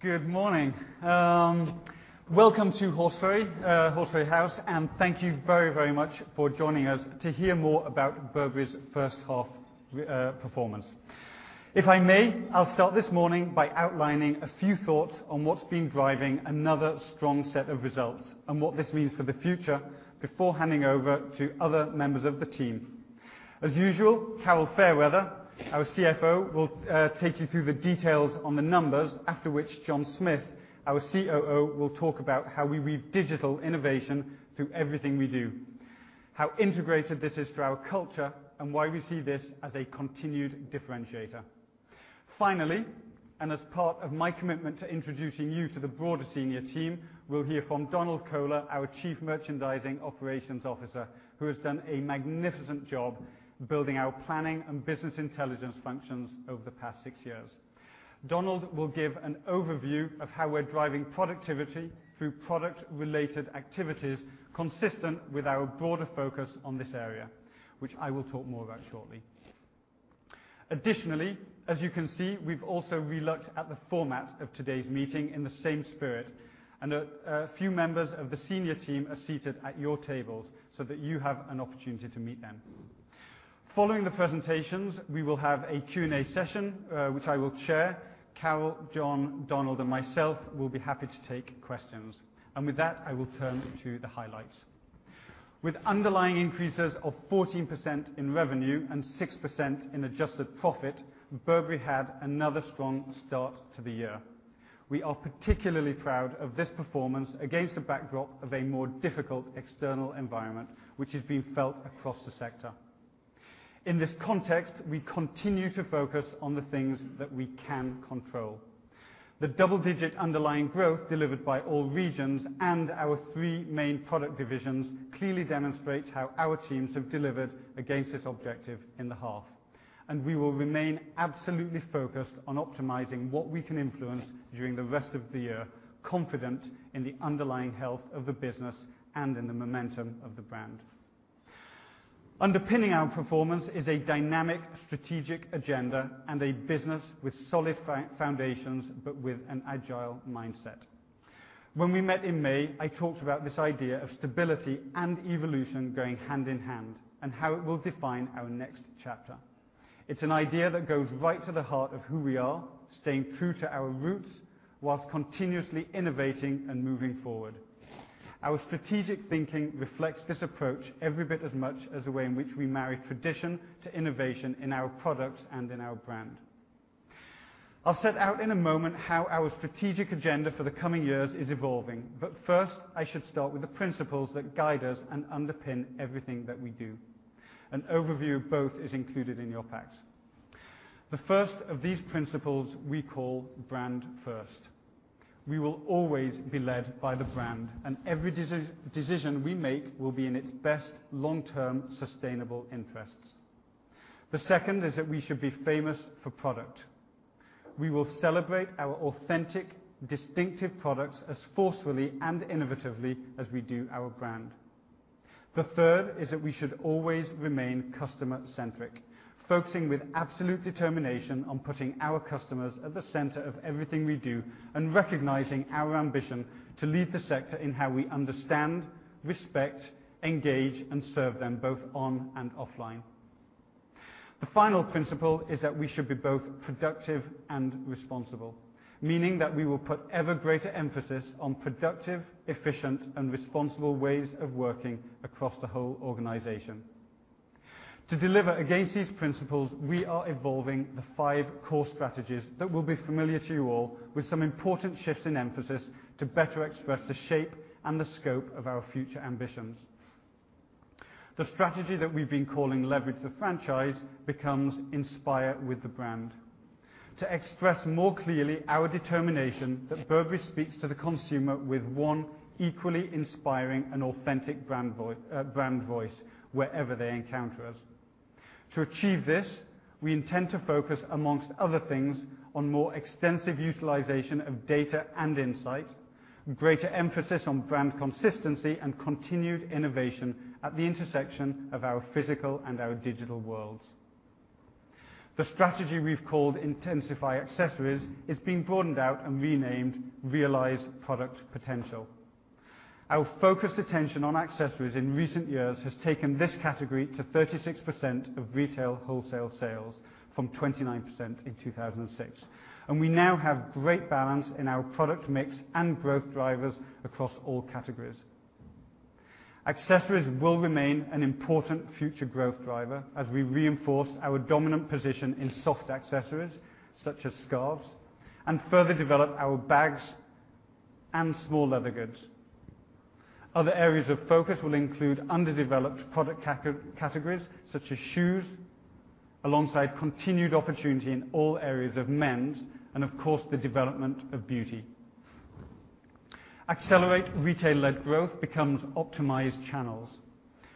Good morning. Welcome to Horseferry House, thank you very, very much for joining us to hear more about Burberry's first half performance. If I may, I'll start this morning by outlining a few thoughts on what's been driving another strong set of results and what this means for the future before handing over to other members of the team. As usual, Carol Fairweather, our CFO, will take you through the details on the numbers, after which John Smith, our COO, will talk about how we weave digital innovation through everything we do, how integrated this is to our culture, and why we see this as a continued differentiator. Finally, as part of my commitment to introducing you to the broader senior team, we'll hear from Donald Kohler, our Chief Merchandising Operations Officer, who has done a magnificent job building our planning and business intelligence functions over the past six years. Donald will give an overview of how we're driving productivity through product-related activities consistent with our broader focus on this area, which I will talk more about shortly. Additionally, as you can see, we've also relooked at the format of today's meeting in the same spirit, a few members of the senior team are seated at your tables so that you have an opportunity to meet them. Following the presentations, we will have a Q&A session, which I will chair. Carol, John, Donald, and myself will be happy to take questions. With that, I will turn to the highlights. With underlying increases of 14% in revenue and 6% in adjusted profit, Burberry had another strong start to the year. We are particularly proud of this performance against the backdrop of a more difficult external environment, which has been felt across the sector. In this context, we continue to focus on the things that we can control. The double-digit underlying growth delivered by all regions and our three main product divisions clearly demonstrates how our teams have delivered against this objective in the half. We will remain absolutely focused on optimizing what we can influence during the rest of the year, confident in the underlying health of the business and in the momentum of the brand. Underpinning our performance is a dynamic strategic agenda and a business with solid foundations, but with an agile mindset. When we met in May, I talked about this idea of stability and evolution going hand in hand and how it will define our next chapter. It's an idea that goes right to the heart of who we are, staying true to our roots whilst continuously innovating and moving forward. Our strategic thinking reflects this approach every bit as much as the way in which we marry tradition to innovation in our products and in our brand. I'll set out in a moment how our strategic agenda for the coming years is evolving. First, I should start with the principles that guide us and underpin everything that we do. An overview of both is included in your packs. The first of these principles we call Brand First. We will always be led by the brand, every decision we make will be in its best long-term sustainable interests. The second is that we should be famous for product. We will celebrate our authentic, distinctive products as forcefully and innovatively as we do our brand. The third is that we should always remain customer-centric, focusing with absolute determination on putting our customers at the center of everything we do and recognizing our ambition to lead the sector in how we understand, respect, engage, and serve them both on and offline. The final principle is that we should be both productive and responsible, meaning that we will put ever greater emphasis on productive, efficient, and responsible ways of working across the whole organization. To deliver against these principles, we are evolving the five core strategies that will be familiar to you all with some important shifts in emphasis to better express the shape and the scope of our future ambitions. The strategy that we've been calling Leverage the Franchise becomes Inspire with the Brand to express more clearly our determination that Burberry speaks to the consumer with one equally inspiring and authentic brand voice wherever they encounter us. To achieve this, we intend to focus, amongst other things, on more extensive utilization of data and insight, greater emphasis on brand consistency, and continued innovation at the intersection of our physical and our digital worlds. The strategy we've called Intensify Accessories is being broadened out and renamed Realise Product Potential. Our focused attention on accessories in recent years has taken this category to 36% of retail wholesale sales from 29% in 2006, and we now have great balance in our product mix and growth drivers across all categories. Accessories will remain an important future growth driver as we reinforce our dominant position in soft accessories such as scarves and further develop our bags and small leather goods. Other areas of focus will include underdeveloped product categories such as shoes, alongside continued opportunity in all areas of men's and of course, the development of beauty. Accelerate Retail-Led Growth becomes Optimise Channels.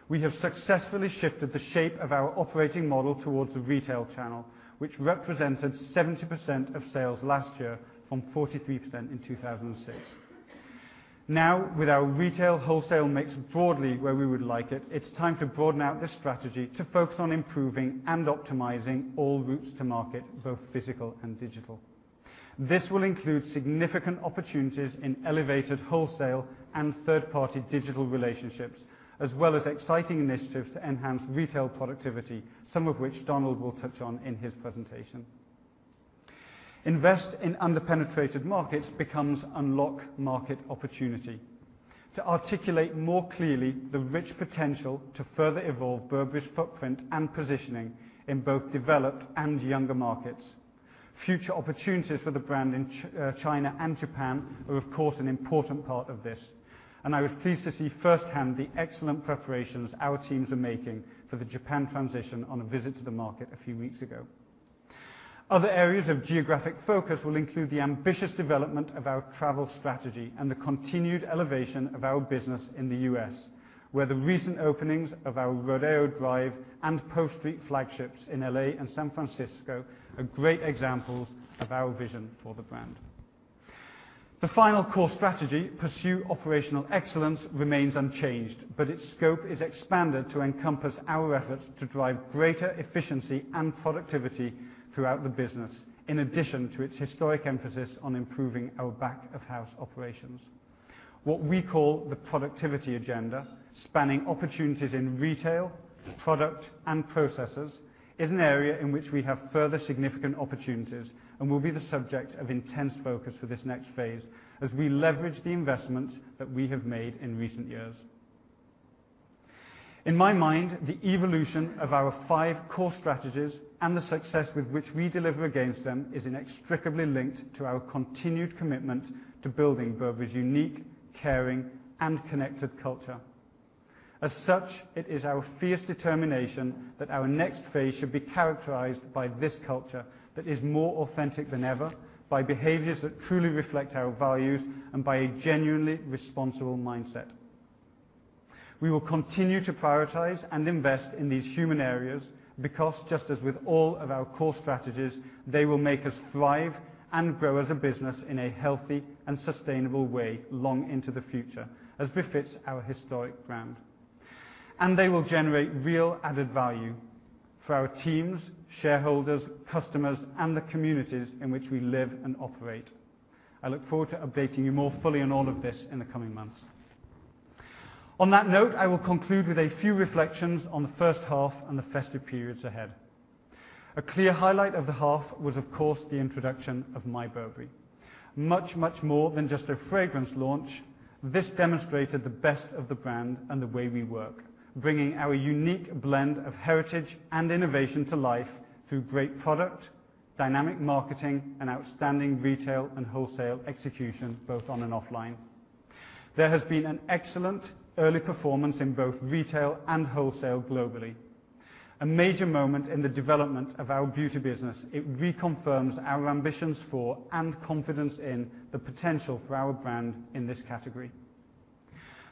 We have successfully shifted the shape of our operating model towards the retail channel, which represented 70% of sales last year from 43% in 2006. Now with our retail wholesale mix broadly where we would like it's time to broaden out this strategy to focus on improving and optimizing all routes to market, both physical and digital. This will include significant opportunities in elevated wholesale and third-party digital relationships, as well as exciting initiatives to enhance retail productivity, some of which Donald will touch on in his presentation. Invest in under-penetrated markets becomes unlock market opportunity. To articulate more clearly the rich potential to further evolve Burberry's footprint and positioning in both developed and younger markets. Future opportunities for the brand in China and Japan are, of course, an important part of this, and I was pleased to see firsthand the excellent preparations our teams are making for the Japan transition on a visit to the market a few weeks ago. Other areas of geographic focus will include the ambitious development of our travel strategy and the continued elevation of our business in the U.S., where the recent openings of our Rodeo Drive and Post Street flagships in L.A. and San Francisco are great examples of our vision for the brand. The final core strategy, Pursue Operational Excellence, remains unchanged, but its scope is expanded to encompass our efforts to drive greater efficiency and productivity throughout the business, in addition to its historic emphasis on improving our back-of-house operations. What we call the productivity agenda, spanning opportunities in retail, product, and processes, is an area in which we have further significant opportunities and will be the subject of intense focus for this next phase as we leverage the investment that we have made in recent years. In my mind, the evolution of our five core strategies and the success with which we deliver against them is inextricably linked to our continued commitment to building Burberry's unique, caring, and connected culture. As such, it is our fierce determination that our next phase should be characterized by this culture that is more authentic than ever, by behaviors that truly reflect our values, and by a genuinely responsible mindset. We will continue to prioritize and invest in these human areas because, just as with all of our core strategies, they will make us thrive and grow as a business in a healthy and sustainable way long into the future, as befits our historic brand. They will generate real added value for our teams, shareholders, customers, and the communities in which we live and operate. I look forward to updating you more fully on all of this in the coming months. On that note, I will conclude with a few reflections on the first half and the festive periods ahead. A clear highlight of the half was, of course, the introduction of My Burberry. Much, much more than just a fragrance launch, this demonstrated the best of the brand and the way we work, bringing our unique blend of Heritage and innovation to life through great product, dynamic marketing, and outstanding retail and wholesale execution, both on and offline. There has been an excellent early performance in both retail and wholesale globally. A major moment in the development of our beauty business, it reconfirms our ambitions for and confidence in the potential for our brand in this category.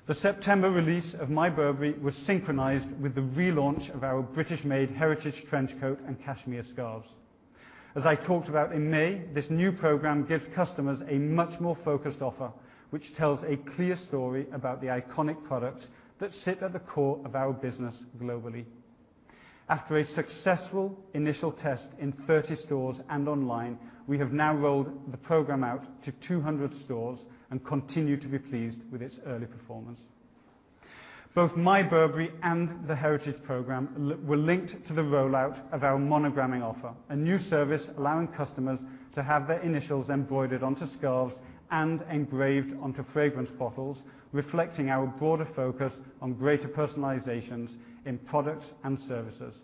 The September release of My Burberry was synchronized with the relaunch of our British-made Heritage trench coat and cashmere scarves. As I talked about in May, this new program gives customers a much more focused offer, which tells a clear story about the iconic products that sit at the core of our business globally. After a successful initial test in 30 stores and online, we have now rolled the program out to 200 stores and continue to be pleased with its early performance. Both My Burberry and the Heritage program were linked to the rollout of our monogramming offer, a new service allowing customers to have their initials embroidered onto scarves and engraved onto fragrance bottles, reflecting our broader focus on greater personalizations in products and services.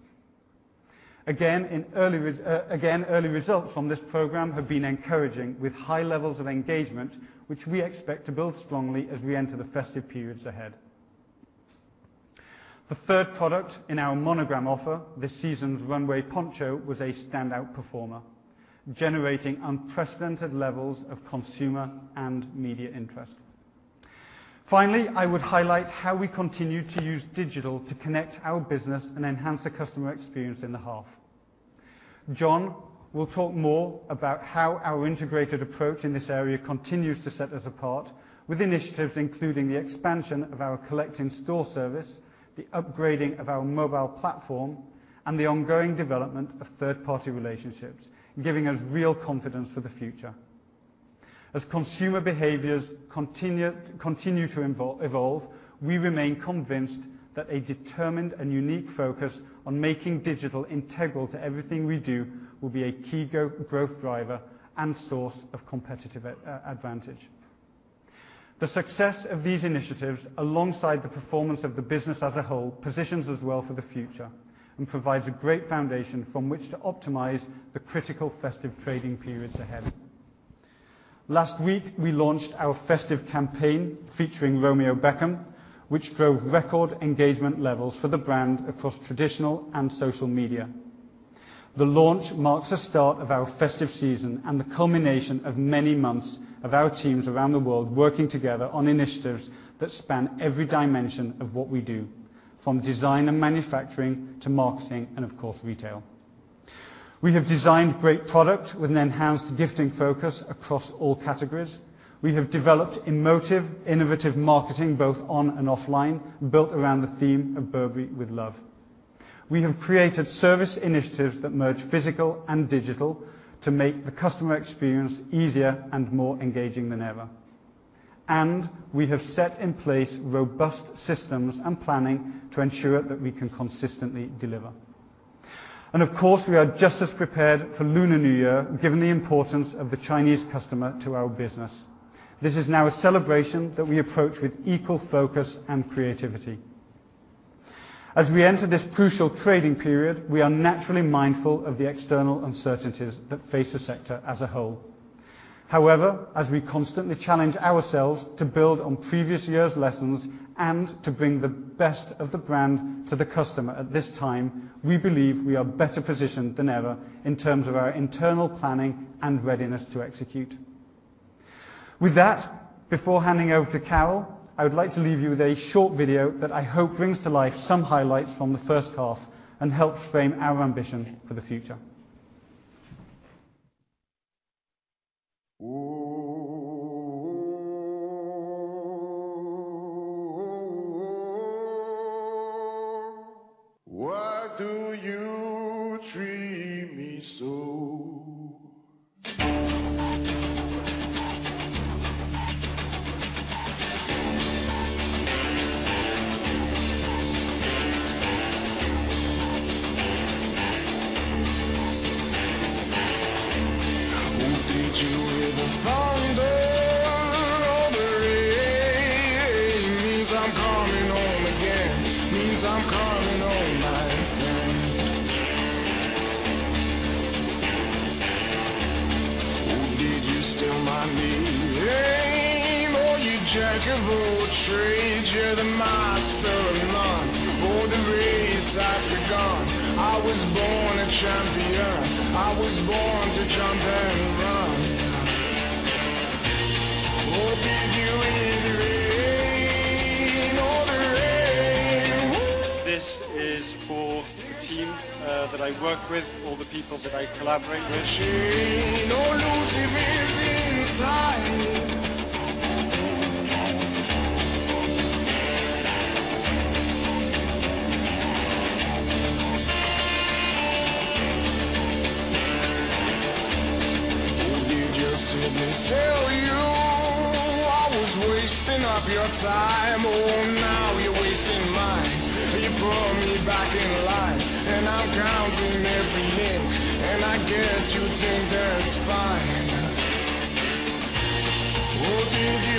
Early results from this program have been encouraging, with high levels of engagement, which we expect to build strongly as we enter the festive periods ahead. The third product in our monogram offer, this season's runway poncho, was a standout performer, generating unprecedented levels of consumer and media interest. Finally, I would highlight how we continue to use digital to connect our business and enhance the customer experience in the half. John will talk more about how our integrated approach in this area continues to set us apart with initiatives including the expansion of our collect-in-store service, the upgrading of our mobile platform, and the ongoing development of third-party relationships, giving us real confidence for the future. Consumer behaviors continue to evolve, we remain convinced that a determined and unique focus on making digital integral to everything we do will be a key growth driver and source of competitive advantage. The success of these initiatives, alongside the performance of the business as a whole, positions us well for the future and provides a great foundation from which to optimize the critical festive trading periods ahead. Last week, we launched our festive campaign featuring Romeo Beckham, which drove record engagement levels for the brand across traditional and social media. The launch marks the start of our festive season and the culmination of many months of our teams around the world working together on initiatives that span every dimension of what we do, from design and manufacturing to marketing and, of course, retail. We have designed great product with an enhanced gifting focus across all categories. We have developed emotive, innovative marketing, both on and offline, built around the theme of Burberry with Love. We have created service initiatives that merge physical and digital to make the customer experience easier and more engaging than ever. We have set in place robust systems and planning to ensure that we can consistently deliver. Of course, we are just as prepared for Lunar New Year, given the importance of the Chinese customer to our business. This is now a celebration that we approach with equal focus and creativity. We enter this crucial trading period, we are naturally mindful of the external uncertainties that face the sector as a whole. As we constantly challenge ourselves to build on previous year's lessons and to bring the best of the brand to the customer at this time, we believe we are better positioned than ever in terms of our internal planning and readiness to execute. With that, before handing over to Carol, I would like to leave you with a short video that I hope brings to life some highlights from the first half and helps frame our ambition for the future. Why do you treat me so? Oh, did you hear the thunder? Oh, the rain means I'm coming home again, means I'm coming home, my friend. Oh, did you steal my name? Oh, you jack of all trades, you're the master of none. Oh, the race has begun. I was born a champion. I was born to jump and run. Oh, did you hear the rain? Oh, the rain. This is for the team that I work with, all the people that I collaborate with. Oh, Lucifer's inside. Oh, did your siblings tell you I was wasting up your time? Oh, now you're wasting mine. You put me back in line. I'm counting every minute. I guess you think that's fine. Oh, did you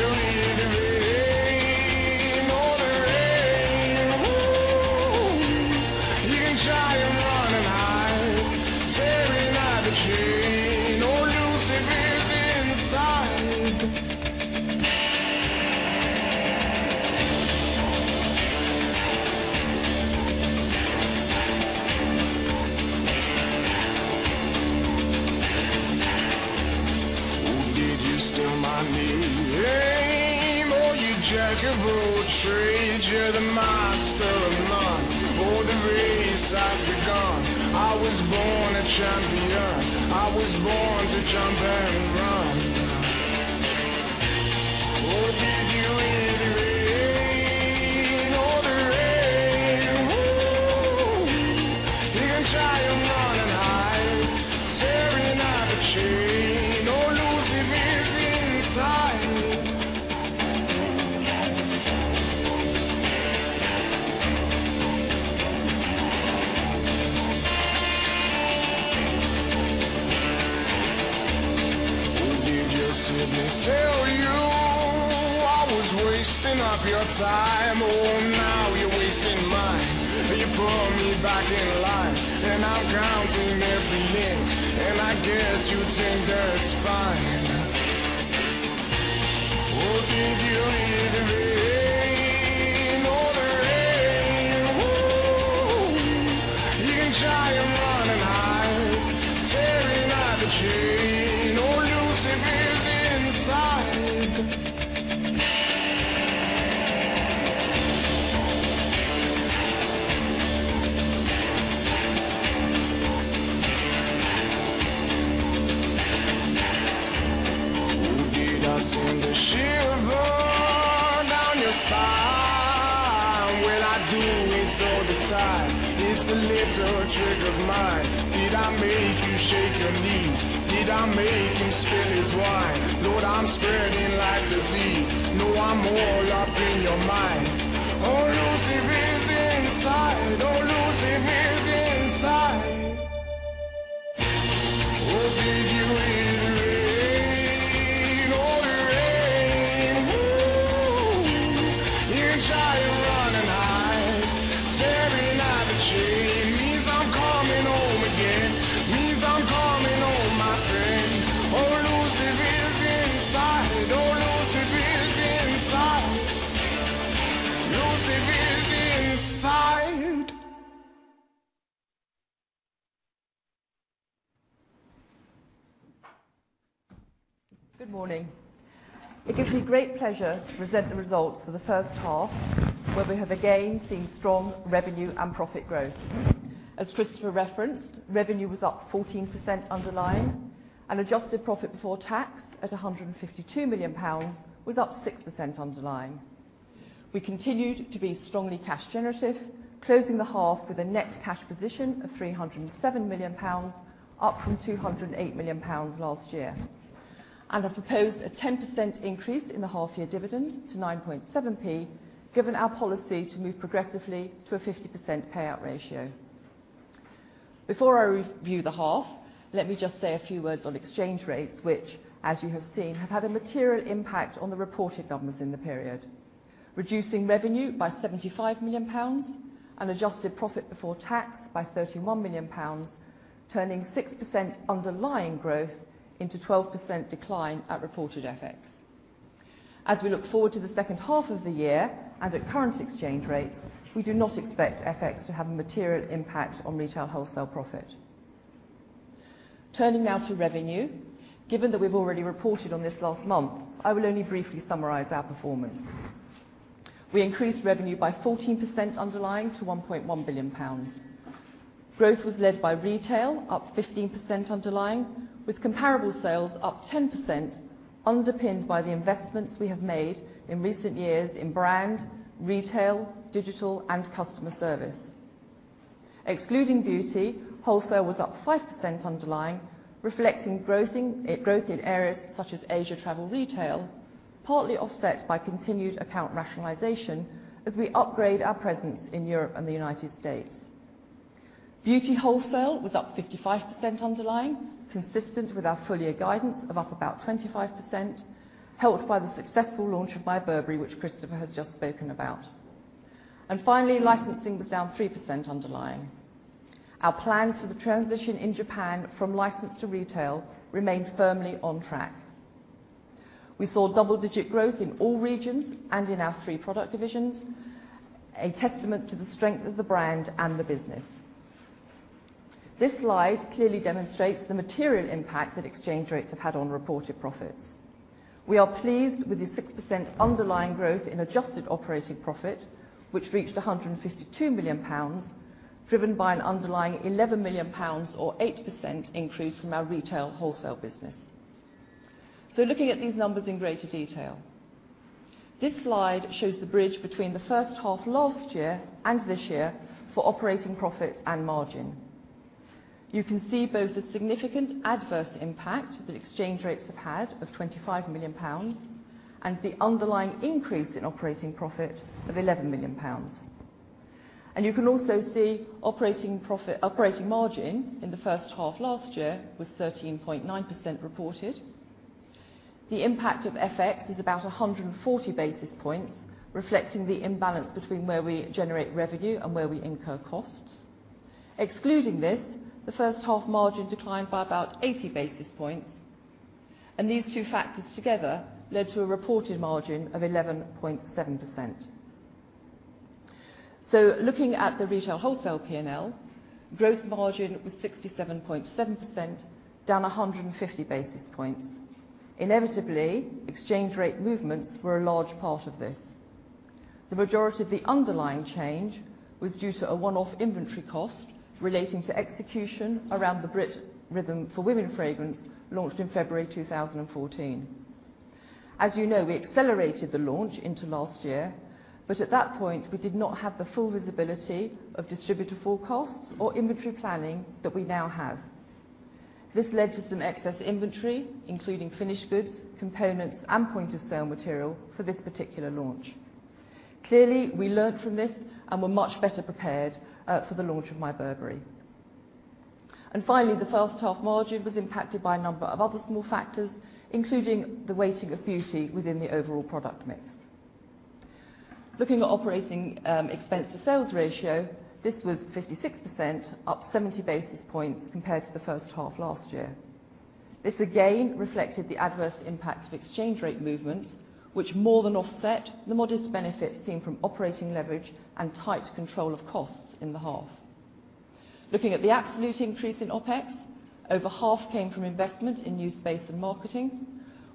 hear the rain? Oh, the rain. You can try and run and hide. Tearing at the chain. Oh, Lucifer's inside. Oh, did you steal my name? Oh, you jack of all trades, you're the master of none. Oh, the race has begun. I was born a champion. I was born to jump and run. Oh, did you hear the rain? Oh, the rain. You can try and run and hide. Tearing at the chain. Oh, Lucifer's inside. Oh, did your siblings tell you I was wasting up your time? Oh, now you're wasting mine. You put me back in line. I'm counting every minute. I guess you think that's fine. Oh, did you hear the rain? Oh, the rain. You can try and run and hide. Tearing at the chain. Oh, Lucifer's inside. Oh, did I send a shiver down your spine? Well, I do it all the time. It's a little trick of mine. Did I make you shake your knees? Did I make you spill his wine? Lord, I'm spreading like disease. No, I'm all up in your mind. Oh, Lucifer's inside. Oh, Lucifer's inside. Oh, did you hear the rain? Oh, the rain. You can try and run and hide. Tearing at the chain means I'm coming home again, means I'm coming home, my friend. Oh, Lucifer's inside. Oh, Lucifer's inside. Lucifer's inside. Good morning. It gives me great pleasure to present the results for the first half, where we have again seen strong revenue and profit growth. As Christopher referenced, revenue was up 14% underlying, and adjusted profit before tax at 152 million was up 6% underlying. We continued to be strongly cash generative, closing the half with a net cash position of 307 million pounds, up from 208 million pounds last year. We have proposed a 10% increase in the half-year dividend to 0.097, given our policy to move progressively to a 50% payout ratio. Before I review the half, let me just say a few words on exchange rates, which as you have seen, have had a material impact on the reported numbers in the period, reducing revenue by GBP 75 million and adjusted profit before tax by GBP 31 million, turning 6% underlying growth into 12% decline at reported FX. As we look forward to the second half of the year, and at current exchange rates, we do not expect FX to have a material impact on retail wholesale profit. Turning now to revenue. Given that we've already reported on this last month, I will only briefly summarize our performance. We increased revenue by 14% underlying to 1.1 billion pounds. Growth was led by retail, up 15% underlying, with comparable sales up 10%, underpinned by the investments we have made in recent years in brand, retail, digital, and customer service. Excluding beauty, wholesale was up 5% underlying, reflecting growth in areas such as Asia travel retail, partly offset by continued account rationalization as we upgrade our presence in Europe and the U.S. Beauty wholesale was up 55% underlying, consistent with our full-year guidance of up about 25%, helped by the successful launch of My Burberry, which Christopher has just spoken about. Finally, licensing was down 3% underlying. Our plans for the transition in Japan from licensed to retail remain firmly on track. We saw double-digit growth in all regions and in our three product divisions, a testament to the strength of the brand and the business. This slide clearly demonstrates the material impact that exchange rates have had on reported profits. We are pleased with the 6% underlying growth in adjusted operating profit, which reached 152 million pounds, driven by an underlying 11 million pounds or 8% increase from our retail wholesale business. Looking at these numbers in greater detail. This slide shows the bridge between the first half last year and this year for operating profit and margin. You can see both the significant adverse impact that exchange rates have had of 25 million pounds and the underlying increase in operating profit of 11 million pounds. You can also see operating margin in the first half last year was 13.9% reported. The impact of FX is about 140 basis points, reflecting the imbalance between where we generate revenue and where we incur costs. Excluding this, the first half margin declined by about 80 basis points, and these two factors together led to a reported margin of 11.7%. Looking at the retail wholesale P&L, gross margin was 67.7%, down 150 basis points. Inevitably, exchange rate movements were a large part of this. The majority of the underlying change was due to a one-off inventory cost relating to execution around the Brit Rhythm for Women fragrance launched in February 2014. As you know, we accelerated the launch into last year, but at that point, we did not have the full visibility of distributor forecasts or inventory planning that we now have. This led to some excess inventory, including finished goods, components, and point-of-sale material for this particular launch. Clearly, we learned from this and we are much better prepared for the launch of My Burberry. Finally, the first half margin was impacted by a number of other small factors, including the weighting of beauty within the overall product mix. Looking at operating expense to sales ratio, this was 56%, up 70 basis points compared to the first half last year. This again reflected the adverse impact of exchange rate movements, which more than offset the modest benefit seen from operating leverage and tight control of costs in the half. Looking at the absolute increase in OpEx, over half came from investment in new space and marketing,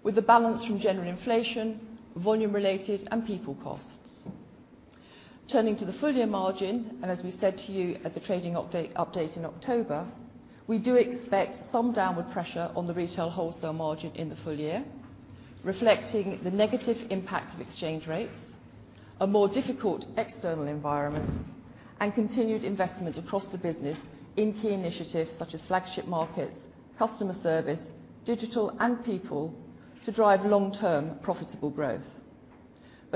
with the balance from general inflation, volume related, and people costs. Turning to the full year margin, as we said to you at the trading update in October, we do expect some downward pressure on the retail wholesale margin in the full year, reflecting the negative impact of exchange rates, a more difficult external environment, and continued investment across the business in key initiatives such as flagship markets, customer service, digital, and people to drive long-term profitable growth.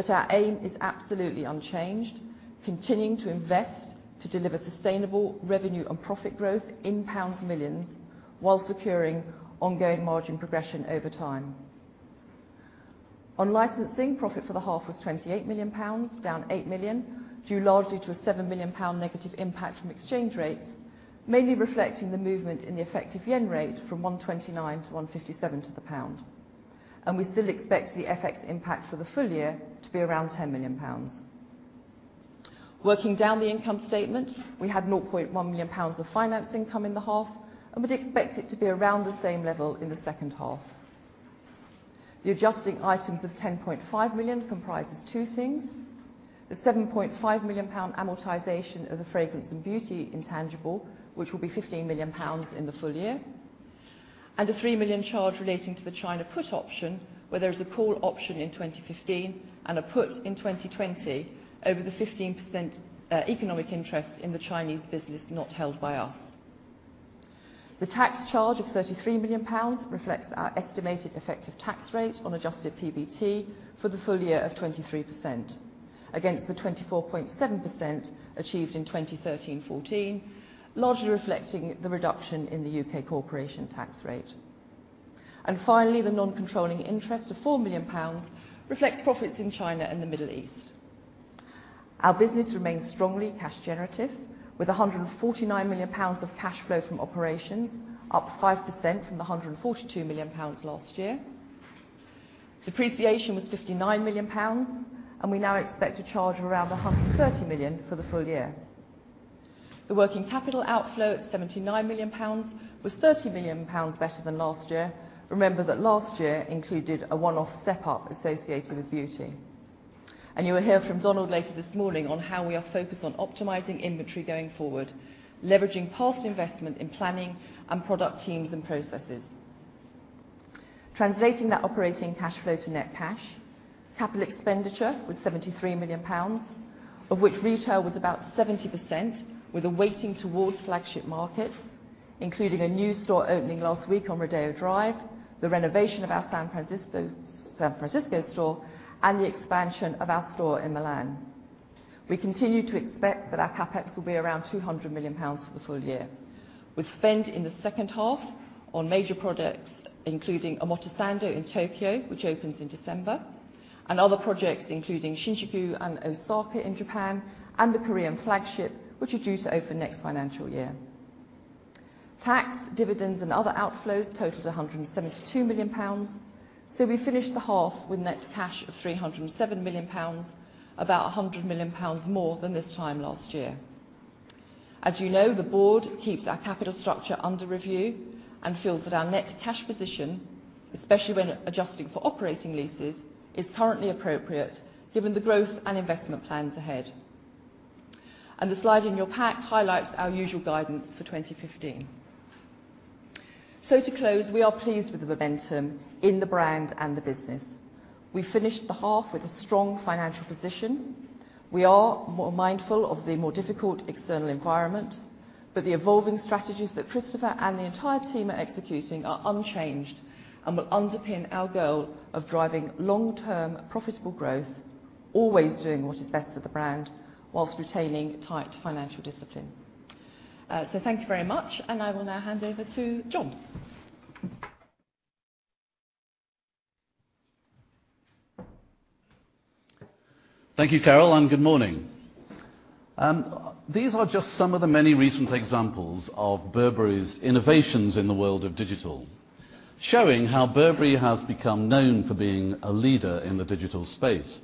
Our aim is absolutely unchanged, continuing to invest to deliver sustainable revenue and profit growth in pounds millions while securing ongoing margin progression over time. On licensing, profit for the half was 28 million pounds, down 8 million, due largely to a 7 million pound negative impact from exchange rates, mainly reflecting the movement in the effective yen rate from 129 to 157 to the pound. We still expect the FX impact for the full year to be around 10 million pounds. Working down the income statement, we had 0.1 million pounds of financing come in the half, and we would expect it to be around the same level in the second half. The adjusting items of 10.5 million comprises two things: the 7.5 million pound amortization of the Fragrance and Beauty intangible, which will be 15 million pounds in the full year, and a 3 million charge relating to the China put option, where there is a call option in 2015 and a put in 2020 over the 15% economic interest in the Chinese business not held by us. The tax charge of 33 million pounds reflects our estimated effective tax rate on adjusted PBT for the full year of 23% against the 24.7% achieved in 2013-14, largely reflecting the reduction in the U.K. corporation tax rate. Finally, the non-controlling interest of 4 million pounds reflects profits in China and the Middle East. Our business remains strongly cash generative, with 149 million pounds of cash flow from operations, up 5% from the 142 million pounds last year. Depreciation was 59 million pounds, we now expect a charge of around 130 million for the full year. The working capital outflow at 79 million pounds, was 30 million pounds better than last year. Remember that last year included a one-off step up associated with Beauty. You will hear from Donald later this morning on how we are focused on optimizing inventory going forward, leveraging past investment in planning and product teams and processes. Translating that operating cash flow to net cash, capital expenditure was 73 million pounds, of which retail was about 70% with a weighting towards flagship markets, including a new store opening last week on Rodeo Drive, the renovation of our San Francisco store, and the expansion of our store in Milan. We continue to expect that our CapEx will be around 200 million pounds for the full year. We spend in the second half on major projects including Omotesando in Tokyo, which opens in December, and other projects including Shinjuku and Osaka in Japan, and the Korean flagship, which are due to open next financial year. Tax, dividends, and other outflows totaled 172 million pounds, we finished the half with net cash of 307 million pounds, about 100 million pounds more than this time last year. As you know, the board keeps our capital structure under review and feels that our net cash position, especially when adjusting for operating leases, is currently appropriate given the growth and investment plans ahead. The slide in your pack highlights our usual guidance for 2015. To close, we are pleased with the momentum in the brand and the business. We finished the half with a strong financial position. We are mindful of the more difficult external environment, the evolving strategies that Christopher and the entire team are executing are unchanged and will underpin our goal of driving long-term profitable growth, always doing what is best for the brand whilst retaining tight financial discipline. Thank you very much, and I will now hand over to John. Thank you, Carol, and good morning. These are just some of the many recent examples of Burberry's innovations in the world of digital, showing how Burberry has become known for being a leader in the digital space.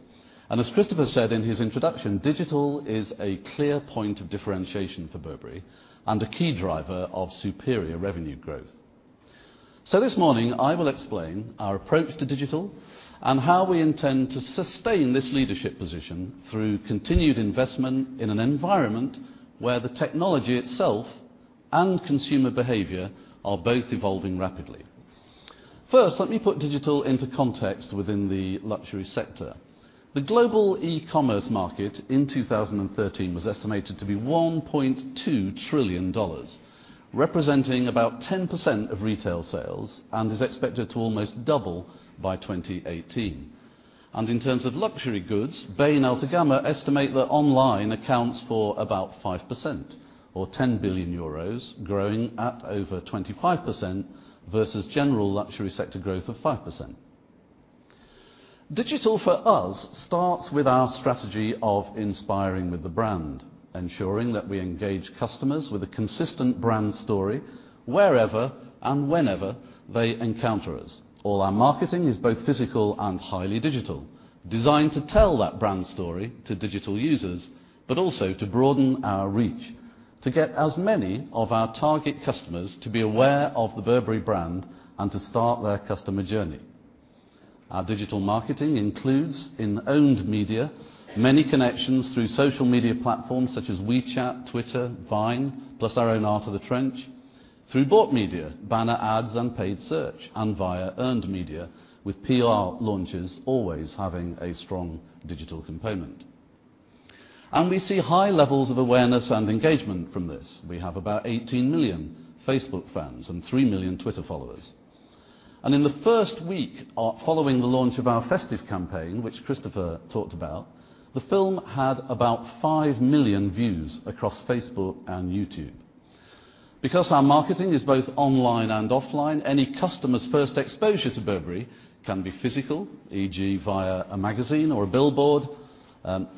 As Christopher said in his introduction, digital is a clear point of differentiation for Burberry and a key driver of superior revenue growth. This morning, I will explain our approach to digital and how we intend to sustain this leadership position through continued investment in an environment where the technology itself and consumer behavior are both evolving rapidly. First, let me put digital into context within the luxury sector. The global e-commerce market in 2013 was estimated to be $1.2 trillion, representing about 10% of retail sales, and is expected to almost double by 2018. In terms of luxury goods, Bain & Altagamma estimate that online accounts for about 5%, or 10 billion euros, growing at over 25% versus general luxury sector growth of 5%. Digital for us starts with our strategy of Inspire with the Brand, ensuring that we engage customers with a consistent brand story wherever and whenever they encounter us. All our marketing is both physical and highly digital, designed to tell that brand story to digital users, but also to broaden our reach, to get as many of our target customers to be aware of the Burberry brand and to start their customer journey. Our digital marketing includes, in owned media, many connections through social media platforms such as WeChat, Twitter, Vine, plus our own Art of the Trench. Through bought media, banner ads and paid search. Via earned media with PR launches always having a strong digital component. We see high levels of awareness and engagement from this. We have about 18 million Facebook fans and 3 million Twitter followers. In the first week following the launch of our festive campaign, which Christopher talked about, the film had about 5 million views across Facebook and YouTube. Our marketing is both online and offline, any customer's first exposure to Burberry can be physical, e.g., via a magazine or a billboard,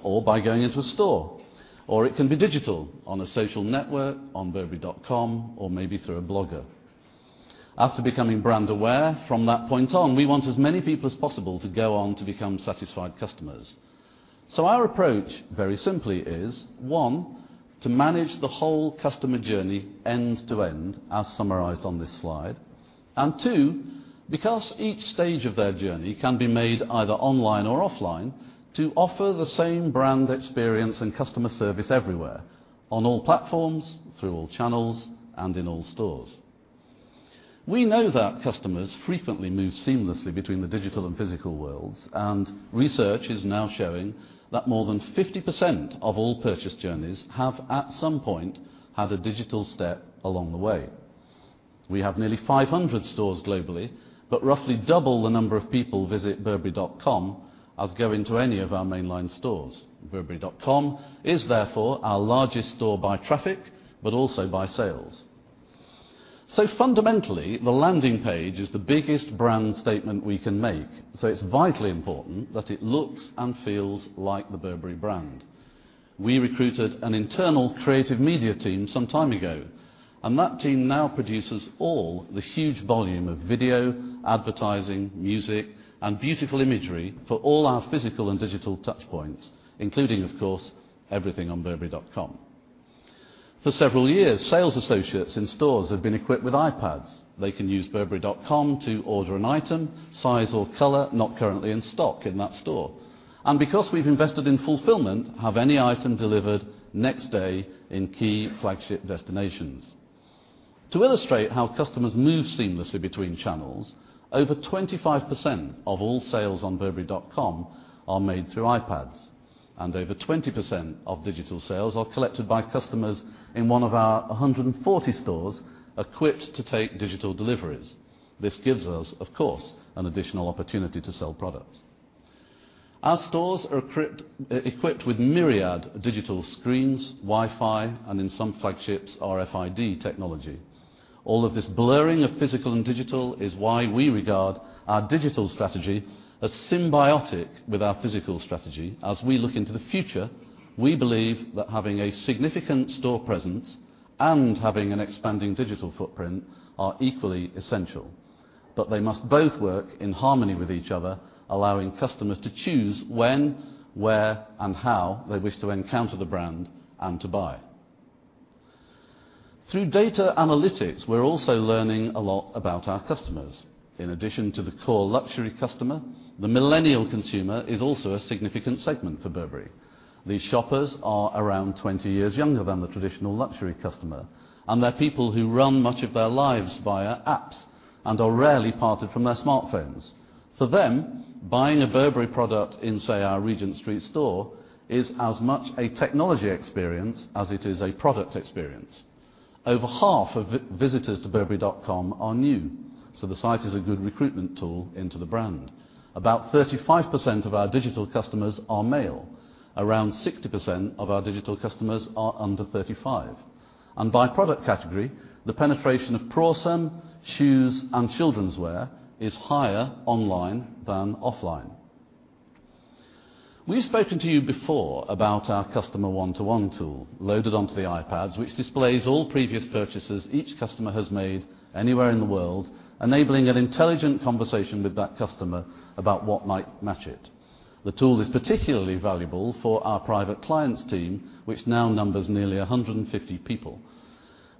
or by going into a store, or it can be digital on a social network, on burberry.com, or maybe through a blogger. After becoming brand aware, from that point on, we want as many people as possible to go on to become satisfied customers. Our approach, very simply, is, one, to manage the whole customer journey end to end, as summarized on this slide. Two, because each stage of their journey can be made either online or offline, to offer the same brand experience and customer service everywhere, on all platforms, through all channels, and in all stores. We know that customers frequently move seamlessly between the digital and physical worlds, and research is now showing that more than 50% of all purchase journeys have at some point had a digital step along the way. We have nearly 500 stores globally, but roughly double the number of people visit burberry.com as go into any of our mainline stores. burberry.com is therefore our largest store by traffic, but also by sales. Fundamentally, the landing page is the biggest brand statement we can make, so it's vitally important that it looks and feels like the Burberry brand. We recruited an internal creative media team some time ago, that team now produces all the huge volume of video, advertising, music, and beautiful imagery for all our physical and digital touch points, including, of course, everything on burberry.com. For several years, sales associates in stores have been equipped with iPads. They can use burberry.com to order an item, size, or color not currently in stock in that store. Because we've invested in fulfillment, have any item delivered next day in key flagship destinations. To illustrate how customers move seamlessly between channels, over 25% of all sales on burberry.com are made through iPads, over 20% of digital sales are collected by customers in one of our 140 stores equipped to take digital deliveries. This gives us, of course, an additional opportunity to sell product. Our stores are equipped with myriad digital screens, Wi-Fi, and in some flagships, RFID technology. All of this blurring of physical and digital is why we regard our digital strategy as symbiotic with our physical strategy. As we look into the future, we believe that having a significant store presence and having an expanding digital footprint are equally essential. They must both work in harmony with each other, allowing customers to choose when, where, and how they wish to encounter the brand and to buy. Through data analytics, we're also learning a lot about our customers. In addition to the core luxury customer, the millennial consumer is also a significant segment for Burberry. These shoppers are around 20 years younger than the traditional luxury customer, they're people who run much of their lives via apps and are rarely parted from their smartphones. For them, buying a Burberry product in, say, our Regent Street store is as much a technology experience as it is a product experience. Over half of visitors to burberry.com are new, the site is a good recruitment tool into the brand. About 35% of our digital customers are male. Around 60% of our digital customers are under 35. By product category, the penetration of Prorsum, shoes, and childrenswear is higher online than offline. We've spoken to you before about our customer one-to-one tool, loaded onto the iPads, which displays all previous purchases each customer has made anywhere in the world, enabling an intelligent conversation with that customer about what might match it. The tool is particularly valuable for our private clients team, which now numbers nearly 150 people.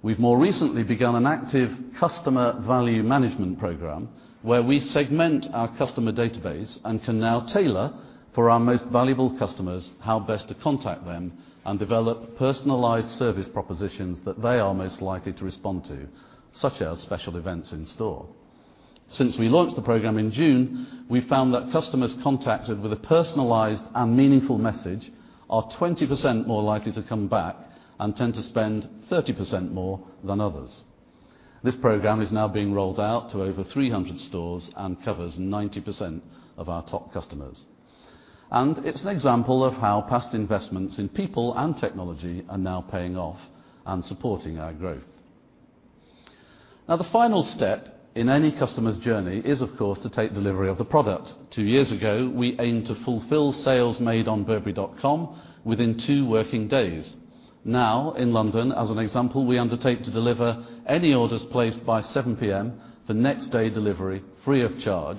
We've more recently begun an active customer value management program where we segment our customer database and can now tailor for our most valuable customers how best to contact them and develop personalized service propositions that they are most likely to respond to, such as special events in store. Since we launched the program in June, we found that customers contacted with a personalized and meaningful message are 20% more likely to come back and tend to spend 30% more than others. This program is now being rolled out to over 300 stores and covers 90% of our top customers. It's an example of how past investments in people and technology are now paying off and supporting our growth. The final step in any customer's journey is, of course, to take delivery of the product. Two years ago, we aimed to fulfill sales made on burberry.com within two working days. In London, as an example, we undertake to deliver any orders placed by 7:00 P.M. for next-day delivery free of charge,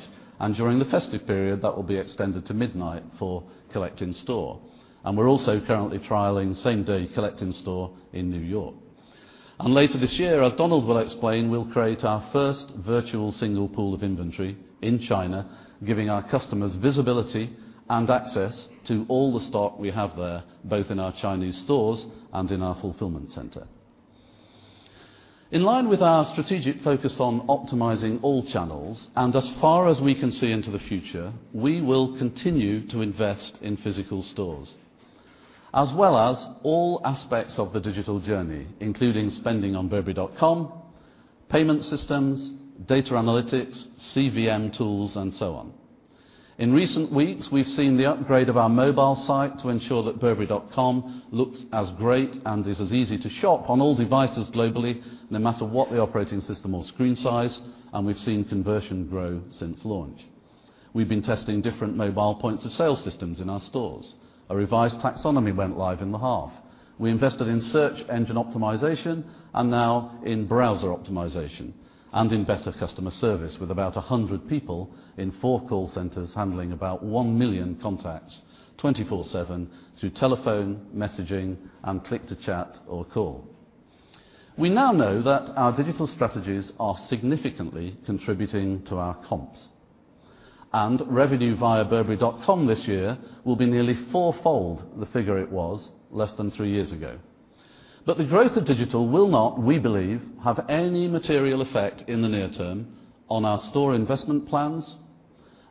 during the festive period, that will be extended to midnight for collect in store. We're also currently trialing same-day collect in store in New York. Later this year, as Donald will explain, we'll create our first virtual single pool of inventory in China, giving our customers visibility and access to all the stock we have there, both in our Chinese stores and in our fulfillment center. In line with our strategic focus on optimizing all channels, as far as we can see into the future, we will continue to invest in physical stores, as well as all aspects of the digital journey, including spending on burberry.com, payment systems, data analytics, CVM tools, and so on. In recent weeks, we've seen the upgrade of our mobile site to ensure that burberry.com looks as great and is as easy to shop on all devices globally, no matter what the operating system or screen size. We've seen conversion grow since launch. We've been testing different mobile points of sale systems in our stores. A revised taxonomy went live in the half. We invested in search engine optimization and now in browser optimization and in better customer service with about 100 people in 4 call centers handling about 1 million contacts 24/7 through telephone, messaging, and click to chat or call. We now know that our digital strategies are significantly contributing to our comps. Revenue via burberry.com this year will be nearly fourfold the figure it was less than 3 years ago. The growth of digital will not, we believe, have any material effect in the near term on our store investment plans,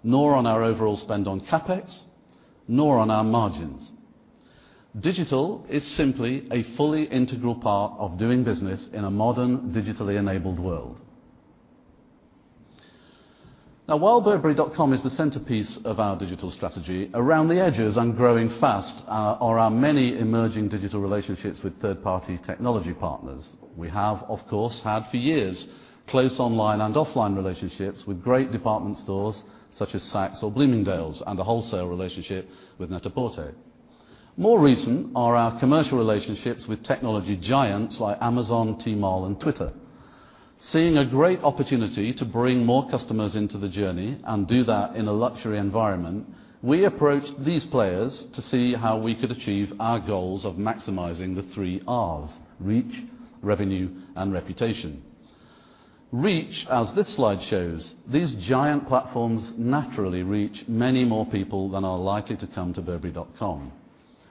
nor on our overall spend on CapEx, nor on our margins. Digital is simply a fully integral part of doing business in a modern, digitally enabled world. Now, while burberry.com is the centerpiece of our digital strategy, around the edges and growing fast are our many emerging digital relationships with third-party technology partners. We have, of course, had for years close online and offline relationships with great department stores such as Saks or Bloomingdale's, and a wholesale relationship with NET-A-PORTER. More recent are our commercial relationships with technology giants like Amazon, Tmall, and Twitter. Seeing a great opportunity to bring more customers into the journey and do that in a luxury environment, we approached these players to see how we could achieve our goals of maximizing the 3 Rs: reach, revenue, and reputation. Reach, as this slide shows, these giant platforms naturally reach many more people than are likely to come to burberry.com.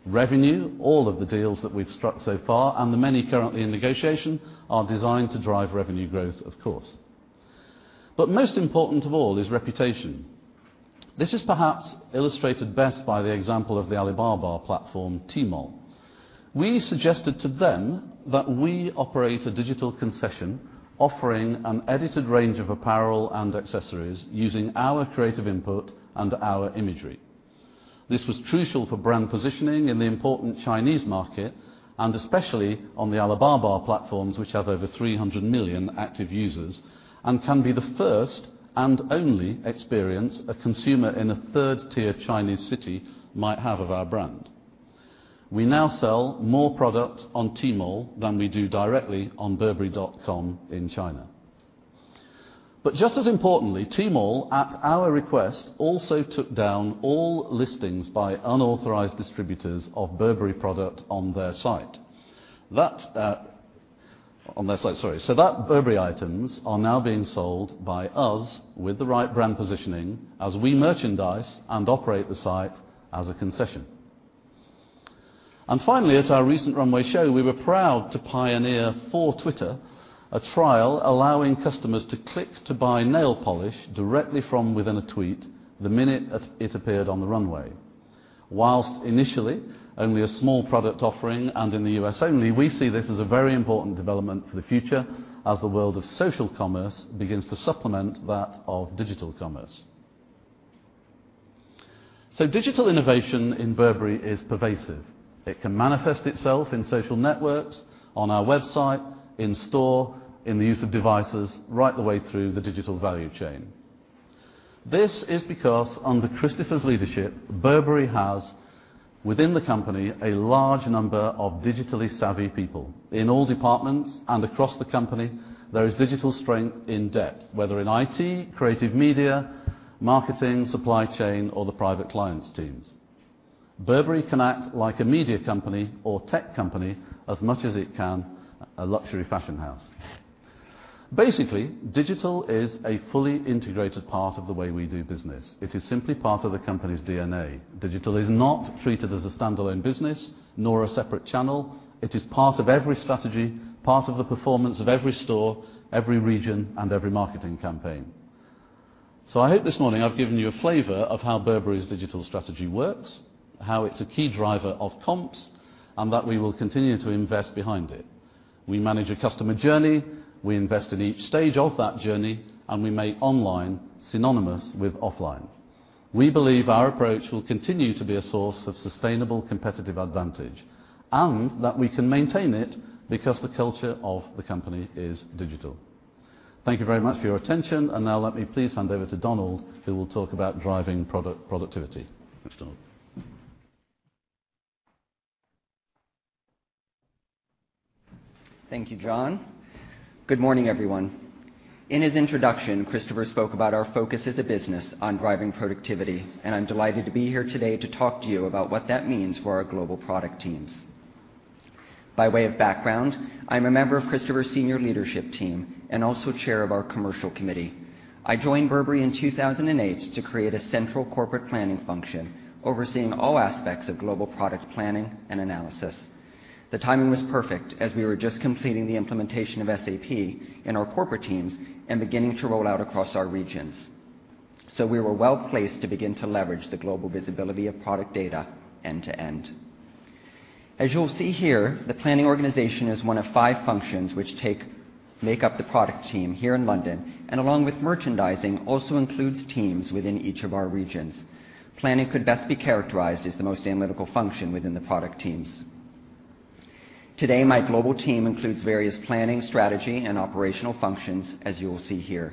Revenue, all of the deals that we've struck so far, the many currently in negotiation, are designed to drive revenue growth, of course. Most important of all is reputation. This is perhaps illustrated best by the example of the Alibaba platform, Tmall. We suggested to them that we operate a digital concession offering an edited range of apparel and accessories using our creative input and our imagery. This was crucial for brand positioning in the important Chinese market and especially on the Alibaba platforms, which have over 300 million active users and can be the first and only experience a consumer in a 3rd-tier Chinese city might have of our brand. We now sell more product on Tmall than we do directly on burberry.com in China. Just as importantly, Tmall, at our request, also took down all listings by unauthorized distributors of Burberry product on their site. Burberry items are now being sold by us with the right brand positioning as we merchandise and operate the site as a concession. Finally, at our recent runway show, we were proud to pioneer for Twitter a trial allowing customers to click to buy nail polish directly from within a tweet the minute it appeared on the runway. Whilst initially only a small product offering and in the U.S. only, we see this as a very important development for the future as the world of social commerce begins to supplement that of digital commerce. Digital innovation in Burberry is pervasive. It can manifest itself in social networks, on our website, in store, in the use of devices, right the way through the digital value chain. This is because under Christopher's leadership, Burberry has within the company a large number of digitally savvy people. In all departments and across the company, there is digital strength in depth, whether in IT, creative media, marketing, supply chain, or the private clients teams. Burberry can act like a media company or tech company as much as it can a luxury fashion house. Basically, digital is a fully integrated part of the way we do business. It is simply part of the company's DNA. Digital is not treated as a standalone business, nor a separate channel. It is part of every strategy, part of the performance of every store, every region, and every marketing campaign. I hope this morning I've given you a flavor of how Burberry's digital strategy works, how it's a key driver of comps, and that we will continue to invest behind it. We manage a customer journey, we invest in each stage of that journey, and we make online synonymous with offline. We believe our approach will continue to be a source of sustainable competitive advantage, and that we can maintain it because the culture of the company is digital. Thank you very much for your attention. Now let me please hand over to Donald, who will talk about driving productivity. Thanks, Donald. Thank you, John. Good morning, everyone. In his introduction, Christopher spoke about our focus as a business on driving productivity, and I'm delighted to be here today to talk to you about what that means for our global product teams. By way of background, I'm a member of Christopher's senior leadership team and also chair of our commercial committee. I joined Burberry in 2008 to create a central corporate planning function overseeing all aspects of global product planning and analysis. The timing was perfect as we were just completing the implementation of SAP in our corporate teams and beginning to roll out across our regions. We were well-placed to begin to leverage the global visibility of product data end to end. As you'll see here, the planning organization is one of 5 functions which make up the product team here in London, and along with merchandising, also includes teams within each of our regions. Planning could best be characterized as the most analytical function within the product teams. Today, my global team includes various planning, strategy, and operational functions, as you will see here.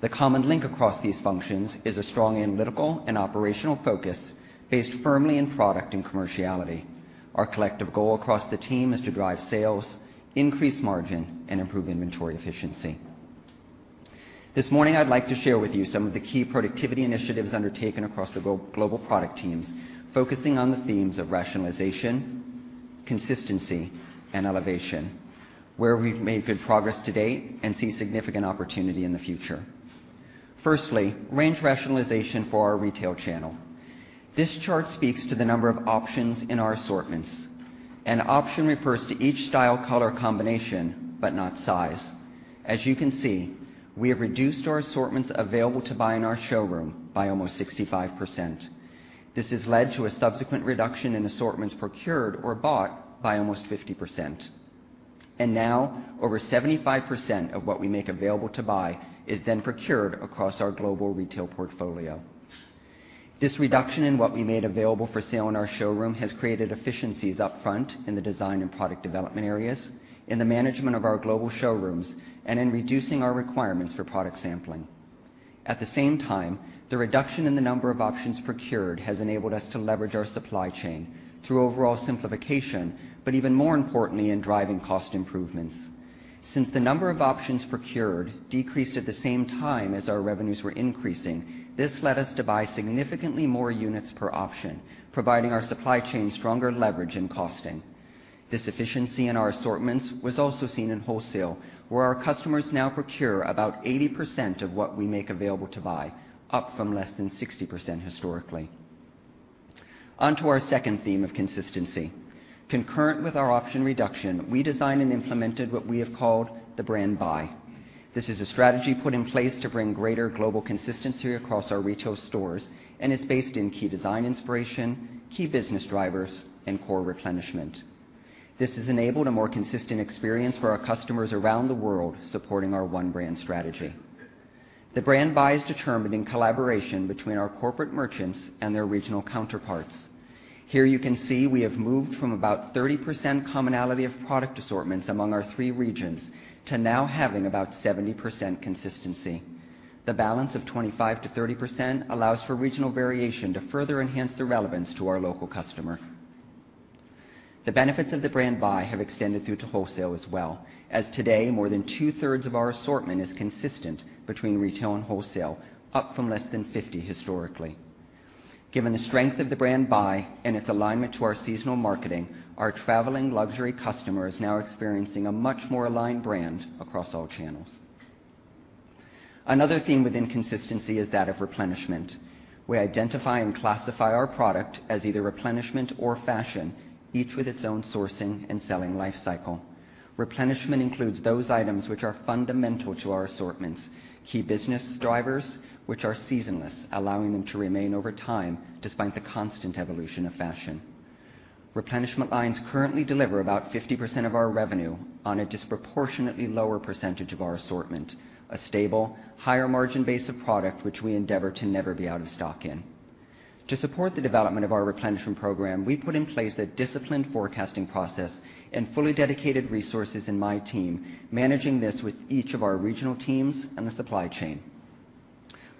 The common link across these functions is a strong analytical and operational focus based firmly in product and commerciality. Our collective goal across the team is to drive sales, increase margin, and improve inventory efficiency. This morning, I'd like to share with you some of the key productivity initiatives undertaken across the global product teams, focusing on the themes of rationalization, consistency, and elevation, where we've made good progress to date and see significant opportunity in the future. Firstly, range rationalization for our retail channel. This chart speaks to the number of options in our assortments. An option refers to each style-color combination, but not size. As you can see, we have reduced our assortments available to buy in our showroom by almost 65%. This has led to a subsequent reduction in assortments procured or bought by almost 50%. Now, over 75% of what we make available to buy is then procured across our global retail portfolio. This reduction in what we made available for sale in our showroom has created efficiencies up front in the design and product development areas, in the management of our global showrooms, and in reducing our requirements for product sampling. At the same time, the reduction in the number of options procured has enabled us to leverage our supply chain through overall simplification, but even more importantly, in driving cost improvements. Since the number of options procured decreased at the same time as our revenues were increasing, this led us to buy significantly more units per option, providing our supply chain stronger leverage in costing. This efficiency in our assortments was also seen in wholesale, where our customers now procure about 80% of what we make available to buy, up from less than 60% historically. On to our second theme of consistency. Concurrent with our option reduction, we designed and implemented what we have called the Brand Buy. This is a strategy put in place to bring greater global consistency across our retail stores, and is based in key design inspiration, key business drivers, and core replenishment. This has enabled a more consistent experience for our customers around the world, supporting our one brand strategy. The Brand Buy is determined in collaboration between our corporate merchants and their regional counterparts. Here you can see we have moved from about 30% commonality of product assortments among our 3 regions to now having about 70% consistency. The balance of 25%-30% allows for regional variation to further enhance the relevance to our local customer. The benefits of the Brand Buy have extended through to wholesale as well, as today, more than two-thirds of our assortment is consistent between retail and wholesale, up from less than 50% historically. Given the strength of the Brand Buy and its alignment to our seasonal marketing, our traveling luxury customer is now experiencing a much more aligned brand across all channels. Another theme within consistency is that of replenishment. We identify and classify our product as either replenishment or fashion, each with its own sourcing and selling life cycle. Replenishment includes those items which are fundamental to our assortments, key business drivers which are seasonless, allowing them to remain over time despite the constant evolution of fashion. Replenishment lines currently deliver about 50% of our revenue on a disproportionately lower percentage of our assortment, a stable, higher margin base of product which we endeavor to never be out of stock in. To support the development of our replenishment program, we put in place a disciplined forecasting process and fully dedicated resources in my team, managing this with each of our regional teams and the supply chain.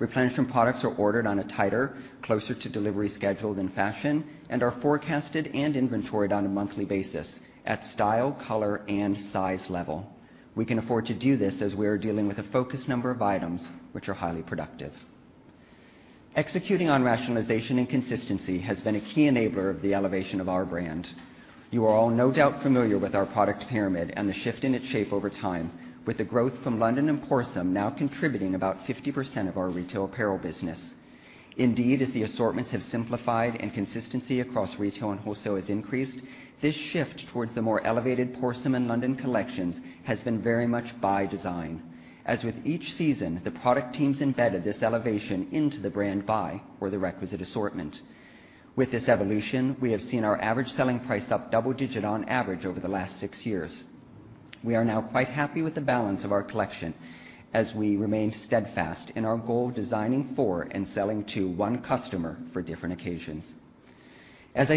Replenishment products are ordered on a tighter, closer to delivery schedule than fashion and are forecasted and inventoried on a monthly basis at style, color, and size level. We can afford to do this as we are dealing with a focused number of items which are highly productive. Executing on rationalization and consistency has been a key enabler of the elevation of our brand. You are all no doubt familiar with our product pyramid and the shift in its shape over time, with the growth from London and Prorsum now contributing about 50% of our retail apparel business. Indeed, as the assortments have simplified and consistency across retail and wholesale has increased, this shift towards the more elevated Prorsum and London collections has been very much by design. As with each season, the product teams embedded this elevation into the brand buy for the requisite assortment. With this evolution, we have seen our average selling price up double-digit on average over the last six years. We are now quite happy with the balance of our collection as we remain steadfast in our goal of designing for and selling to one customer for different occasions. Looking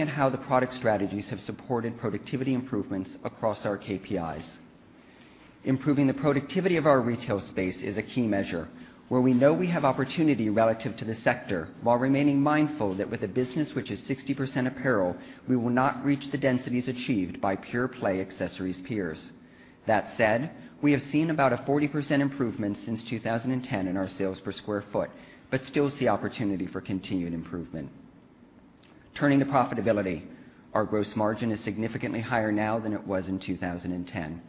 at how the product strategies have supported productivity improvements across our KPIs. Improving the productivity of our retail space is a key measure, where we know we have opportunity relative to the sector while remaining mindful that with a business which is 60% apparel, we will not reach the densities achieved by pure-play accessories peers. That said, we have seen about a 40% improvement since 2010 in our sales per sq ft, but still see opportunity for continued improvement. Turning to profitability, our gross margin is significantly higher now than it was in 2010.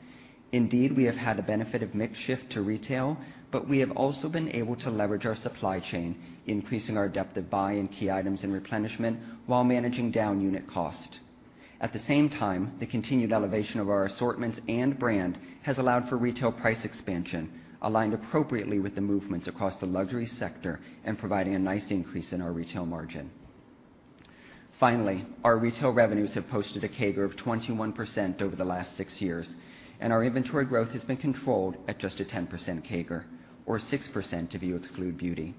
Indeed, we have had a benefit of mix shift to retail, but we have also been able to leverage our supply chain, increasing our depth of buy in key items and replenishment while managing down unit cost. At the same time, the continued elevation of our assortments and brand has allowed for retail price expansion, aligned appropriately with the movements across the luxury sector and providing a nice increase in our retail margin. Finally, our retail revenues have posted a CAGR of 21% over the last six years, and our inventory growth has been controlled at just a 10% CAGR, or 6% if you exclude beauty.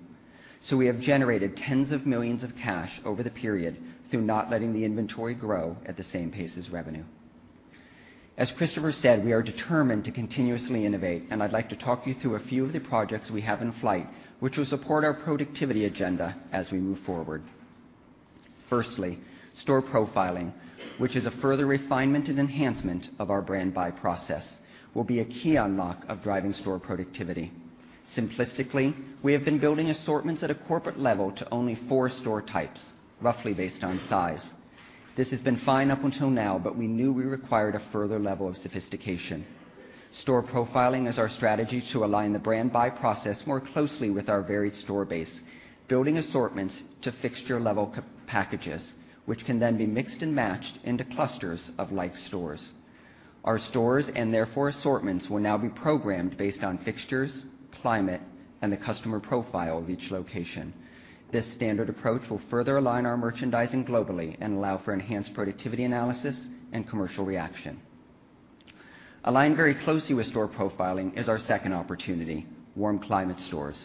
We have generated tens of millions of GBP over the period through not letting the inventory grow at the same pace as revenue. As Christopher said, we are determined to continuously innovate. I'd like to talk you through a few of the projects we have in flight, which will support our productivity agenda as we move forward. Firstly, store profiling, which is a further refinement and enhancement of our brand buy process, will be a key unlock of driving store productivity. Simplistically, we have been building assortments at a corporate level to only four store types, roughly based on size. This has been fine up until now, but we knew we required a further level of sophistication. Store profiling is our strategy to align the brand buy process more closely with our varied store base, building assortments to fixture level packages, which can then be mixed and matched into clusters of like stores. Our stores, therefore assortments, will now be programmed based on fixtures, climate, and the customer profile of each location. This standard approach will further align our merchandising globally and allow for enhanced productivity analysis and commercial reaction. Aligned very closely with store profiling is our second opportunity, warm climate stores.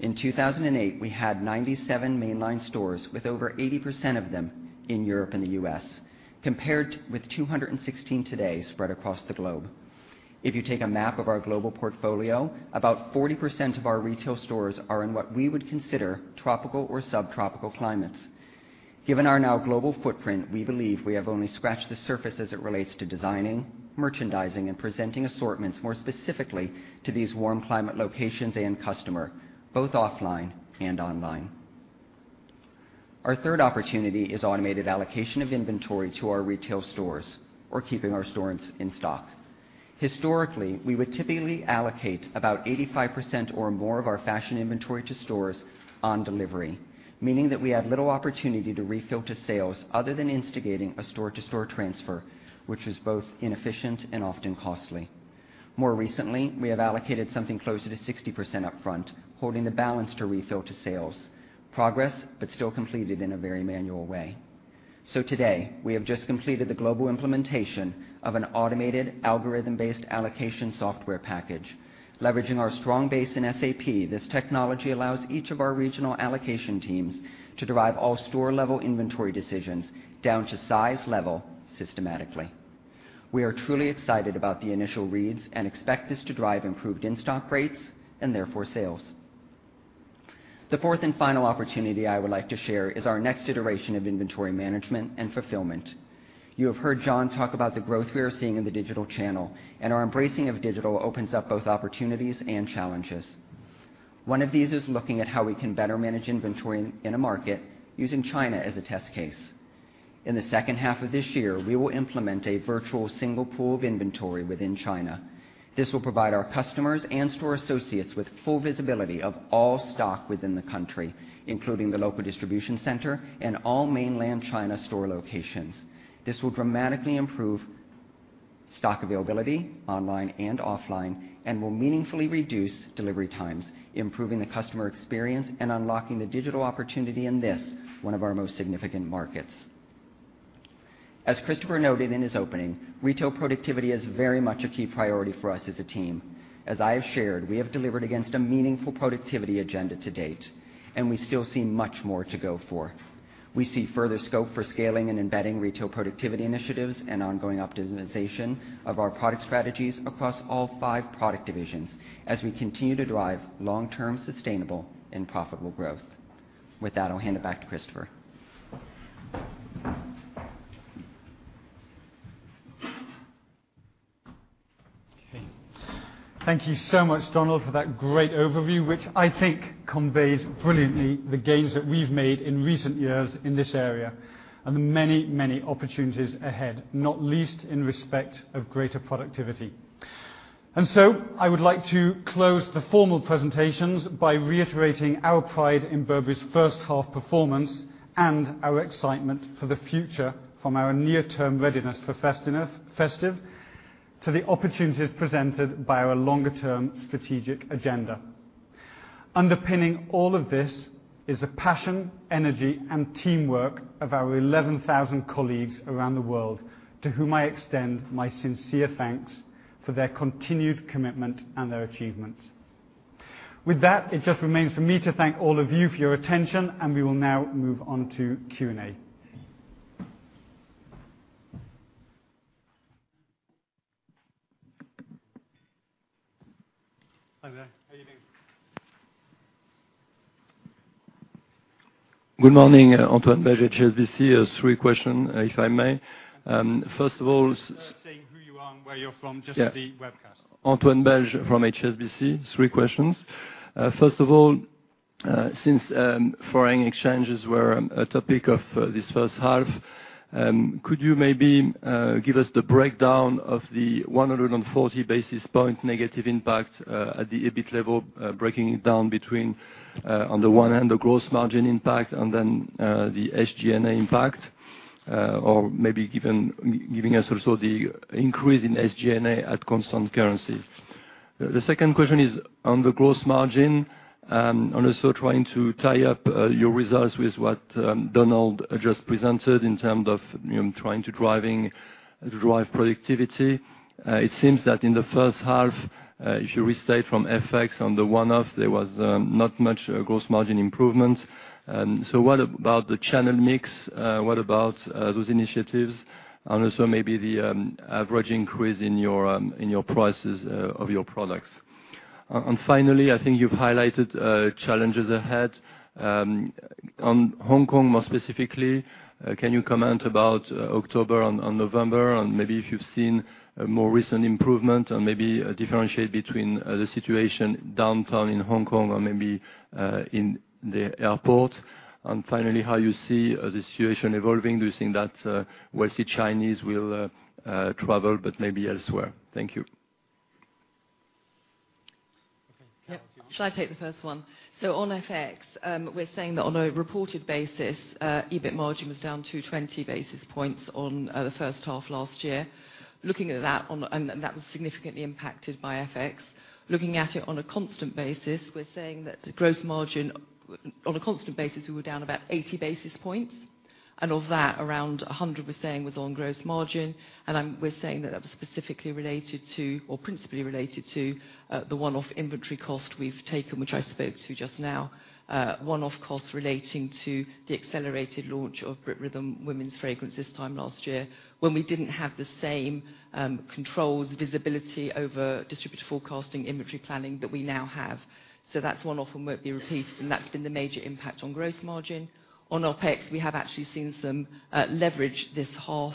In 2008, we had 97 mainline stores, with over 80% of them in Europe and the U.S., compared with 216 today spread across the globe. If you take a map of our global portfolio, about 40% of our retail stores are in what we would consider tropical or subtropical climates. Given our now global footprint, we believe we have only scratched the surface as it relates to designing, merchandising, and presenting assortments more specifically to these warm climate locations and customer, both offline and online. Our third opportunity is automated allocation of inventory to our retail stores or keeping our stores in stock. Historically, we would typically allocate about 85% or more of our fashion inventory to stores on delivery, meaning that we had little opportunity to refill to sales other than instigating a store-to-store transfer, which is both inefficient and often costly. More recently, we have allocated something closer to 60% upfront, holding the balance to refill to sales. Progress, but still completed in a very manual way. Today, we have just completed the global implementation of an automated algorithm-based allocation software package. Leveraging our strong base in SAP, this technology allows each of our regional allocation teams to derive all store level inventory decisions down to size level systematically. We are truly excited about the initial reads and expect this to drive improved in-stock rates and therefore sales. The fourth and final opportunity I would like to share is our next iteration of inventory management and fulfillment. You have heard John talk about the growth we are seeing in the digital channel. Our embracing of digital opens up both opportunities and challenges. One of these is looking at how we can better manage inventory in a market using China as a test case. In the second half of this year, we will implement a virtual single pool of inventory within China. This will provide our customers and store associates with full visibility of all stock within the country, including the local distribution center and all mainland China store locations. This will dramatically improve stock availability online and offline and will meaningfully reduce delivery times, improving the customer experience and unlocking the digital opportunity in this, one of our most significant markets. As Christopher noted in his opening, retail productivity is very much a key priority for us as a team. As I have shared, we have delivered against a meaningful productivity agenda to date, and we still see much more to go for. We see further scope for scaling and embedding retail productivity initiatives and ongoing optimization of our product strategies across all five product divisions as we continue to drive long-term sustainable and profitable growth. With that, I'll hand it back to Christopher. Okay. Thank you so much, Donald, for that great overview, which I think conveys brilliantly the gains that we've made in recent years in this area and the many opportunities ahead, not least in respect of greater productivity. I would like to close the formal presentations by reiterating our pride in Burberry's first half performance and our excitement for the future, from our near-term readiness for festive, to the opportunities presented by our longer-term strategic agenda. Underpinning all of this is a passion, energy, and teamwork of our 11,000 colleagues around the world, to whom I extend my sincere thanks for their continued commitment and their achievements. With that, it just remains for me to thank all of you for your attention, and we will now move on to Q&A. Hi there. How are you doing? Good morning. Antoine Belge, HSBC. Three question, if I may. Just saying who you are and where you're from, just for the webcast. Yeah. Antoine Belge from HSBC. Three questions. First of all, since foreign exchanges were a topic of this first half, could you maybe give us the breakdown of the 140 basis point negative impact at the EBIT level, breaking it down between, on the one end, the gross margin impact and then the SG&A impact? Or maybe giving us also the increase in SG&A at constant currency. The second question is on the gross margin, and also trying to tie up your results with what Donald just presented in terms of trying to drive productivity. It seems that in the first half, if you restate from FX on the one-off, there was not much gross margin improvement. What about the channel mix? What about those initiatives? Also maybe the average increase in your prices of your products. Finally, I think you've highlighted challenges ahead. On Hong Kong, more specifically, can you comment about October and November and maybe if you've seen a more recent improvement or maybe differentiate between the situation downtown in Hong Kong or maybe in the airport? Finally, how you see the situation evolving. Do you think that wealthy Chinese will travel, but maybe elsewhere? Thank you. Yeah. Shall I take the first one? On FX, we're saying that on a reported basis, EBIT margin was down 220 basis points on the first half last year. That was significantly impacted by FX. Looking at it on a constant basis, we're saying that the gross margin, on a constant basis, we were down about 80 basis points. Of that, around 100 we're saying was on gross margin. We're saying that was specifically related to, or principally related to, the one-off inventory cost we've taken, which I spoke to just now. One-off cost relating to the accelerated launch of Brit Rhythm for Women this time last year, when we didn't have the same controls, visibility over distributor forecasting, inventory planning that we now have. That's one-off and won't be repeated, and that's been the major impact on gross margin. On OpEx, we have actually seen some leverage this half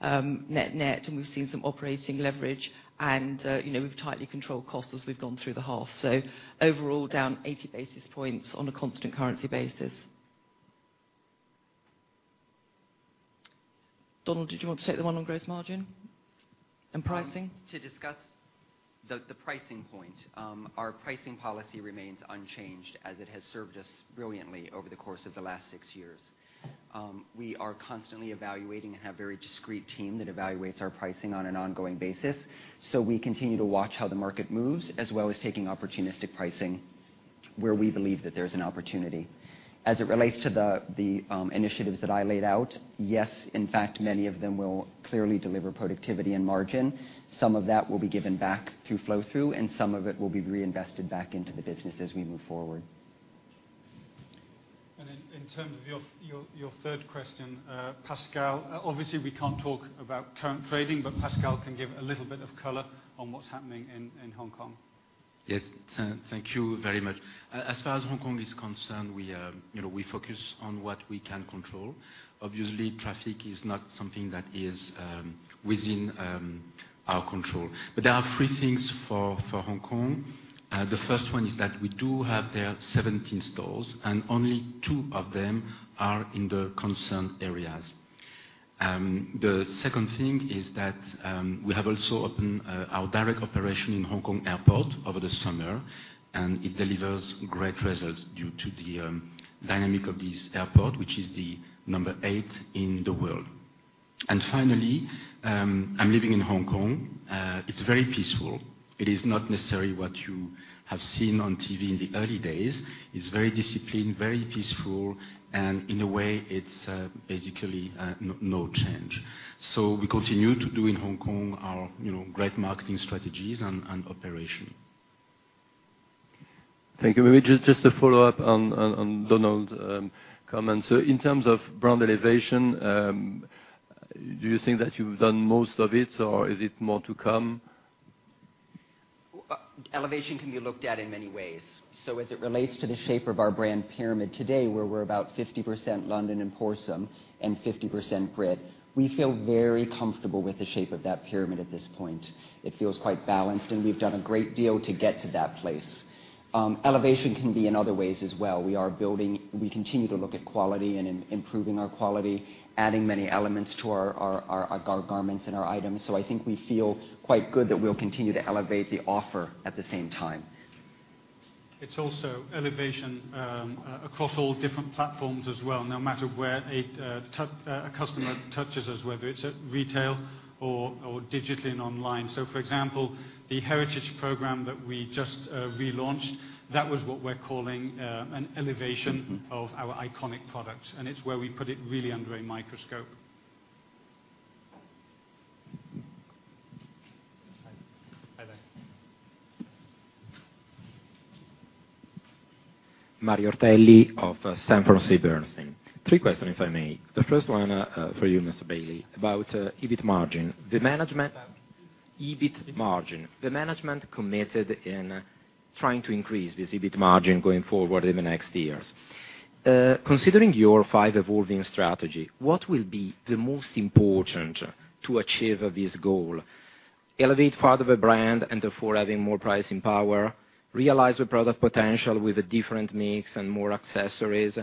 net net, and we've seen some operating leverage and we've tightly controlled costs as we've gone through the half. Overall, down 80 basis points on a constant currency basis. Donald, did you want to take the one on gross margin and pricing? To discuss the pricing point. Our pricing policy remains unchanged as it has served us brilliantly over the course of the last six years. We are constantly evaluating and have very discreet team that evaluates our pricing on an ongoing basis. We continue to watch how the market moves, as well as taking opportunistic pricing where we believe that there's an opportunity. As it relates to the initiatives that I laid out, yes, in fact, many of them will clearly deliver productivity and margin. Some of that will be given back to flow-through, and some of it will be reinvested back into the business as we move forward. In terms of your third question, Pascal, obviously, we can't talk about current trading, but Pascal can give a little bit of color on what's happening in Hong Kong. Yes. Thank you very much. As far as Hong Kong is concerned, we focus on what we can control. Obviously, traffic is not something that is within our control. There are three things for Hong Kong. The first one is that we do have there 17 stores, and only two of them are in the concerned areas. The second thing is that we have also opened our direct operation in Hong Kong Airport over the summer, and it delivers great results due to the dynamic of this airport, which is the number 8 in the world. Finally, I'm living in Hong Kong. It's very peaceful. It is not necessarily what you have seen on TV in the early days. It's very disciplined, very peaceful, and in a way, it's basically no change. We continue to do in Hong Kong our great marketing strategies and operation. Thank you. Maybe just a follow-up on Donald's comments. In terms of brand elevation, do you think that you've done most of it or is it more to come? Elevation can be looked at in many ways. As it relates to the shape of our brand pyramid today, where we're about 50% London and Prorsum and 50% Brit, we feel very comfortable with the shape of that pyramid at this point. It feels quite balanced, and we've done a great deal to get to that place. Elevation can be in other ways as well. We continue to look at quality and improving our quality, adding many elements to our garments and our items. I think we feel quite good that we'll continue to elevate the offer at the same time. It's also elevation across all different platforms as well. No matter where a customer touches us, whether it's at retail or digitally and online. For example, the Heritage program that we just relaunched, that was what we're calling an elevation of our iconic products, and it's where we put it really under a microscope. Hi. Hi there. Mario Ortelli of Sanford C. Bernstein. Three questions, if I may. The first one for you, Mr. Bailey, about EBIT margin. Sorry, what? EBIT margin. The management committed in trying to increase this EBIT margin going forward in the next years. Considering your five evolving strategy, what will be the most important to achieve this goal? Elevate part of a brand and therefore having more pricing power, Realise Product Potential with a different mix and more accessories,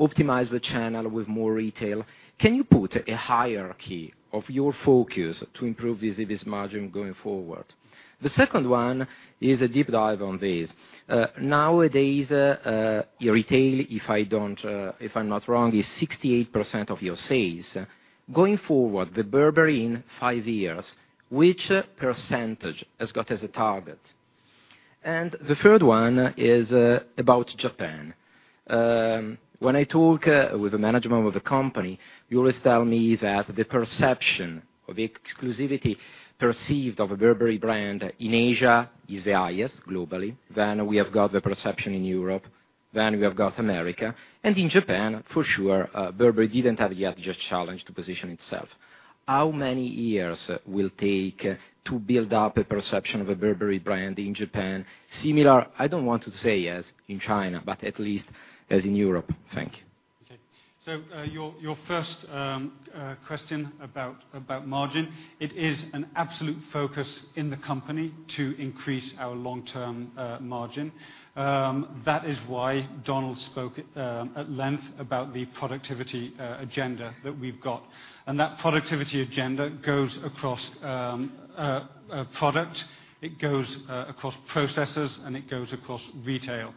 Optimise Channels with more retail. Can you put a hierarchy of your focus to improve this EBIT margin going forward? Second one is a deep dive on this. Nowadays, your retail, if I'm not wrong, is 68% of your sales. Going forward, the Burberry in five years, which percentage has got as a target? Third one is about Japan. When I talk with the management of the company, you always tell me that the perception or the exclusivity perceived of a Burberry brand in Asia is the highest globally. We have got the perception in Europe, we have got America, in Japan for sure, Burberry didn't have yet just challenge to position itself. How many years will take to build up a perception of a Burberry brand in Japan similar, I don't want to say as in China, but at least as in Europe? Thank you. Your first question about margin, it is an absolute focus in the company to increase our long-term margin. That is why Donald spoke at length about the productivity agenda that we've got, and that productivity agenda goes across product, it goes across processes, and it goes across retail.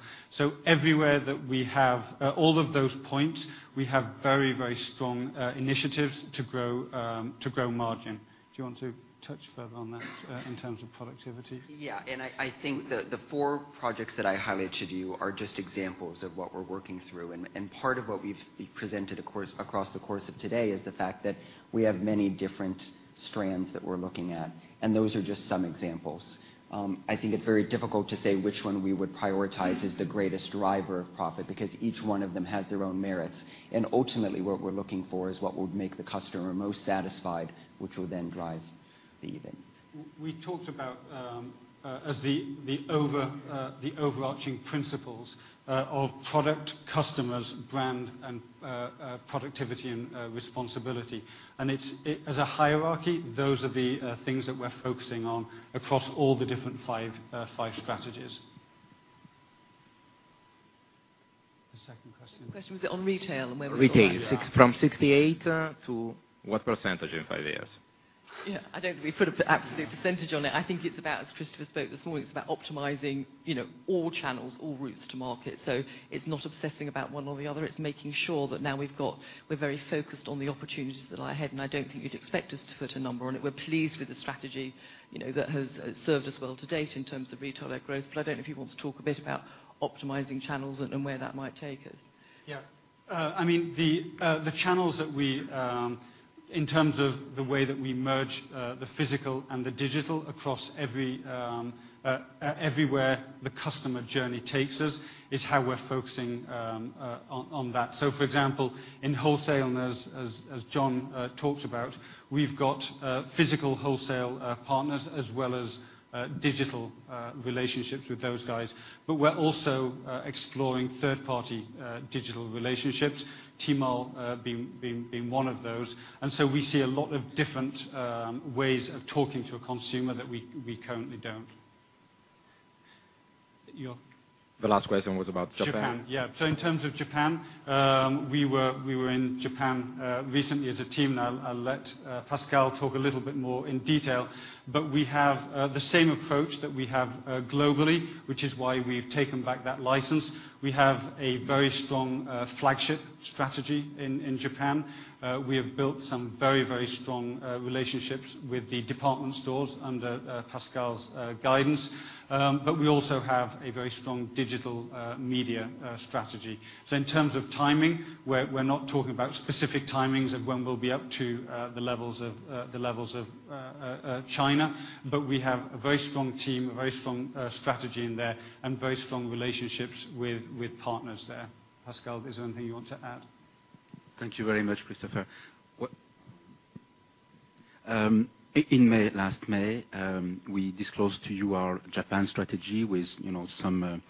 Everywhere that we have all of those points, we have very strong initiatives to grow margin. Do you want to touch further on that in terms of productivity? I think the four projects that I highlighted to you are just examples of what we're working through. Part of what we've presented across the course of today is the fact that we have many different strands that we're looking at, and those are just some examples. I think it's very difficult to say which one we would prioritize as the greatest driver of profit because each one of them has their own merits, and ultimately what we're looking for is what would make the customer most satisfied, which will then drive the event. We talked about as the overarching principles of product, customers, brand, and productivity, and responsibility. As a hierarchy, those are the things that we're focusing on across all the different five strategies. The second question. The question was it on retail and where was- Retail. From 68% to what percentage in five years? Yeah, I don't think we put an absolute percentage on it. I think it's about, as Christopher spoke this morning, it's about optimizing all channels, all routes to market. It's not obsessing about one or the other. It's making sure that now we're very focused on the opportunities that lie ahead. I don't think you'd expect us to put a number on it. We're pleased with the strategy that has served us well to date in terms of retail net growth. I don't know if you want to talk a bit about optimizing channels and where that might take us. Yeah. The channels that we, in terms of the way that we merge the physical and the digital across everywhere the customer journey takes us, is how we're focusing on that. For example, in wholesale and as John talked about, we've got physical wholesale partners as well as digital relationships with those guys. We're also exploring third-party digital relationships, Tmall being one of those. We see a lot of different ways of talking to a consumer that we currently don't. You. The last question was about Japan. Japan. Yeah. In terms of Japan, we were in Japan recently as a team, and I'll let Pascal talk a little bit more in detail. We have the same approach that we have globally, which is why we've taken back that license. We have a very strong flagship strategy in Japan. We have built some very, very strong relationships with the department stores under Pascal's guidance. We also have a very strong digital media strategy. In terms of timing, we're not talking about specific timings of when we'll be up to the levels of China. We have a very strong team, a very strong strategy in there, and very strong relationships with partners there. Pascal, is there anything you want to add? Thank you very much, Christopher. In last May, we disclosed to you our Japan strategy with some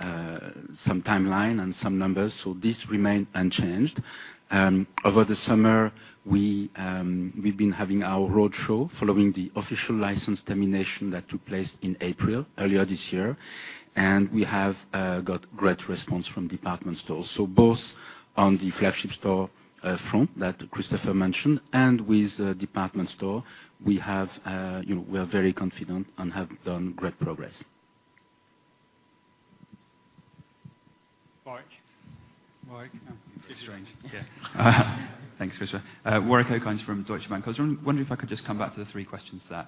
timeline and some numbers. This remained unchanged. Over the summer, we've been having our roadshow following the official license termination that took place in April earlier this year. We have got great response from department stores. Both on the flagship store front that Christopher mentioned and with department store, we are very confident and have done great progress. Alright. It's strange. Yeah. Thanks, Christopher. Warwick Okines from Deutsche Bank. I was wondering if I could just come back to the three questions that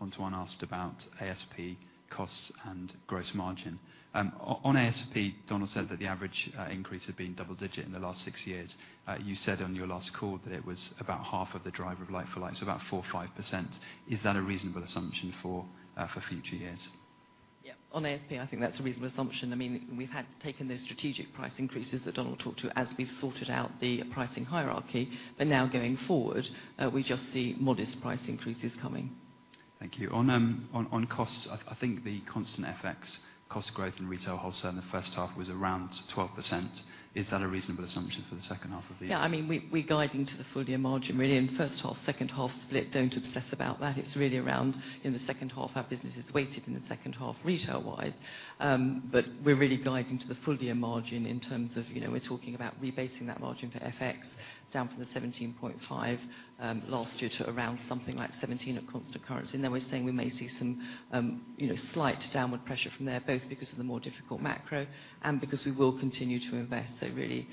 Antoine asked about ASP costs and gross margin. On ASP, Donald said that the average increase had been double-digit in the last six years. You said on your last call that it was about half of the driver of Like-for-like, so about 4% or 5%. Is that a reasonable assumption for future years? Yeah. On ASP, I think that's a reasonable assumption. We've had taken those strategic price increases that Donald talked to as we've sorted out the pricing hierarchy. Now going forward, we just see modest price increases coming. Thank you. On costs, I think the constant FX cost growth in retail wholesale in the first half was around 12%. Is that a reasonable assumption for the second half of the year? Yeah, we're guiding to the full year margin really in first half, second half split. Don't obsess about that. It's really around in the second half. Our business is weighted in the second half retail-wise. We're really guiding to the full year margin in terms of we're talking about rebasing that margin for FX down from the 17.5 last year to around something like 17 at constant currency. Then we're saying we may see some slight downward pressure from there, both because of the more difficult macro and because we will continue to invest. Really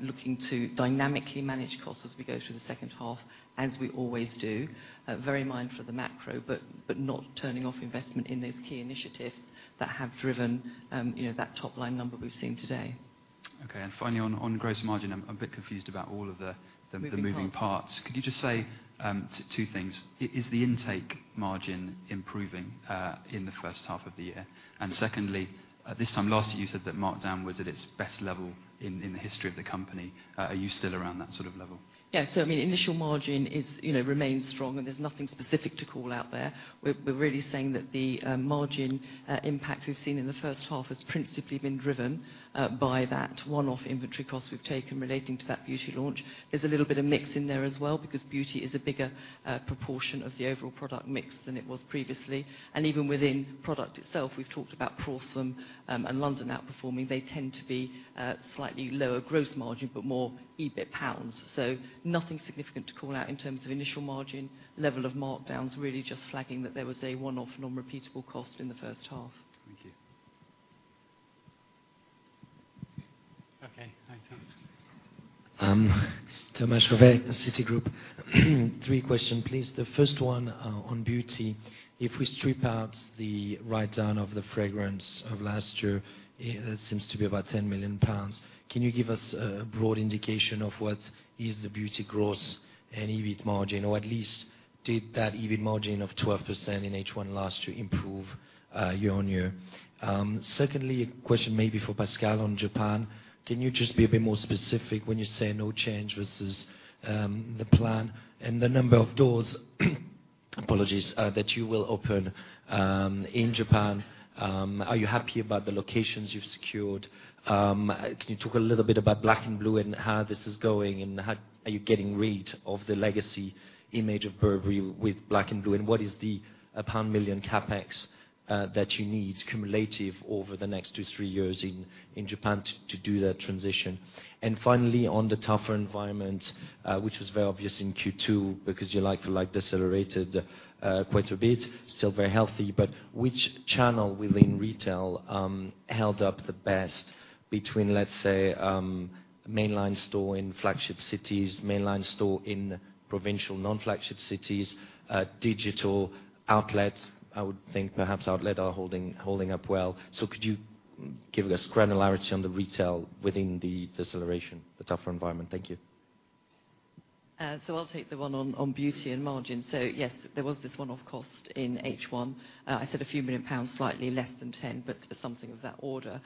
looking to dynamically manage costs as we go through the second half as we always do. Very mindful of the macro, but not turning off investment in those key initiatives that have driven that top-line number we've seen today. Okay. Finally, on gross margin, I'm a bit confused about all of the moving parts. Could you just say two things? Is the intake margin improving in the first half of the year? Secondly, this time last year, you said that markdown was at its best level in the history of the company. Are you still around that sort of level? Yeah. Initial margin remains strong, there's nothing specific to call out there. We're really saying that the margin impact we've seen in the first half has principally been driven by that one-off inventory cost we've taken relating to that beauty launch. There's a little bit of mix in there as well because beauty is a bigger proportion of the overall product mix than it was previously. Even within product itself, we've talked about Prorsum and London outperforming. They tend to be slightly lower gross margin, but more EBIT GBP. Nothing significant to call out in terms of initial margin, level of markdowns, really just flagging that there was a one-off non-repeatable cost in the first half. Thank you. Okay. Hi, Thomas. Thomas Chauvet, Citigroup. Three question, please. The first one on beauty. If we strip out the write-down of the fragrance of last year, it seems to be about 10 million pounds. Can you give us a broad indication of what is the beauty gross and EBIT margin, or at least did that EBIT margin of 12% in H1 last year improve year-over-year? Secondly, a question maybe for Pascal on Japan. Can you just be a bit more specific when you say no change versus the plan and the number of doors that you will open in Japan. Are you happy about the locations you've secured? Can you talk a little bit about Black and Blue and how this is going, and how are you getting rid of the legacy image of Burberry with Black and Blue? What is the pound million CapEx that you need cumulative over the next two, three years in Japan to do that transition? Finally, on the tougher environment, which was very obvious in Q2 because you decelerated quite a bit, still very healthy, but which channel within retail held up the best between, let's say, mainline store in flagship cities, mainline store in provincial non-flagship cities, digital outlets, I would think perhaps outlet are holding up well. Could you give us granularity on the retail within the deceleration, the tougher environment? Thank you. I'll take the one on beauty and margin. Yes, there was this one-off cost in H1. I said a few million GBP, slightly less than 10, but something of that order.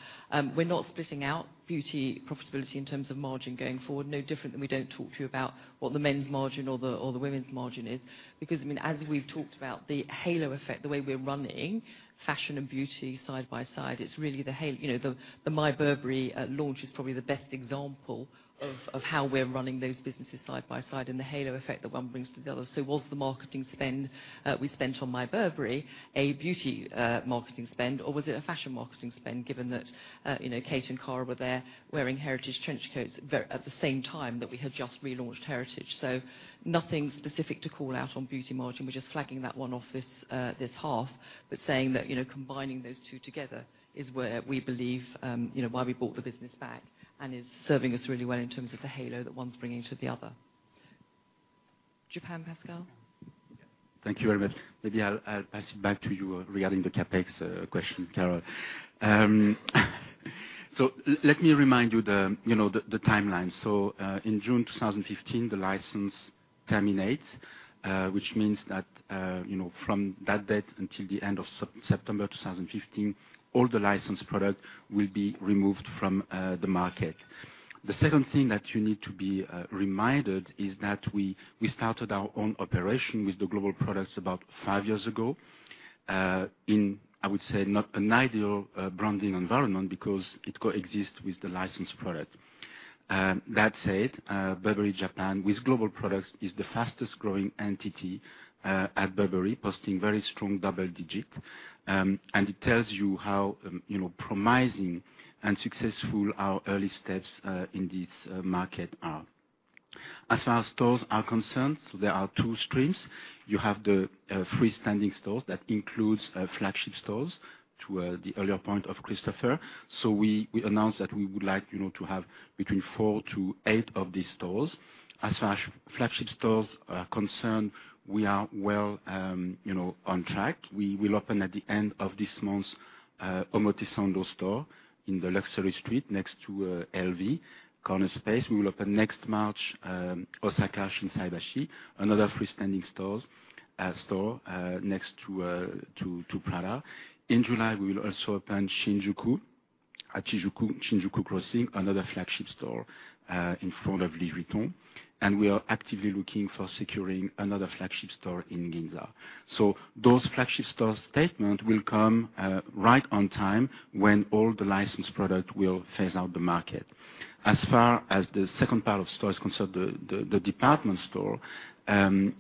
We're not splitting out beauty profitability in terms of margin going forward. No different than we don't talk to you about what the men's margin or the women's margin is. As we've talked about the halo effect, the way we're running fashion and beauty side by side, the My Burberry launch is probably the best example of how we're running those businesses side by side and the halo effect that one brings to the other. Was the marketing spend we spent on My Burberry a beauty marketing spend, or was it a fashion marketing spend, given that Kate and Cara were there wearing Heritage trench coats at the same time that we had just relaunched Heritage. Nothing specific to call out on beauty margin. We're just flagging that one-off this half. Saying that combining those two together is why we bought the business back and is serving us really well in terms of the halo that one's bringing to the other. Japan, Pascal? Thank you very much. Maybe I'll pass it back to you regarding the CapEx question, Carol. Let me remind you the timeline. In June 2015, the license terminates, which means that from that date until the end of September 2015, all the licensed product will be removed from the market. The second thing that you need to be reminded is that we started our own operation with the global products about five years ago, in, I would say, not an ideal branding environment because it coexist with the licensed product. That said, Burberry Japan with global products is the fastest-growing entity at Burberry, posting very strong double-digit. It tells you how promising and successful our early steps in this market are. As far as stores are concerned, there are two streams. You have the freestanding stores that includes flagship stores to the earlier point of Christopher. We announced that we would like to have between four to eight of these stores. As far as flagship stores are concerned, we are well on track. We will open at the end of this month's Omotesando store in the luxury street next to LV corner space. We will open next March, Osaka Shinsaibashi, another freestanding store next to Prada. In July, we will also open Shinjuku at Shinjuku Crossing, another flagship store in front of Louis Vuitton, and we are actively looking for securing another flagship store in Ginza. Those flagship store statement will come right on time when all the licensed product will phase out the market. As far as the second part of store is concerned, the department store,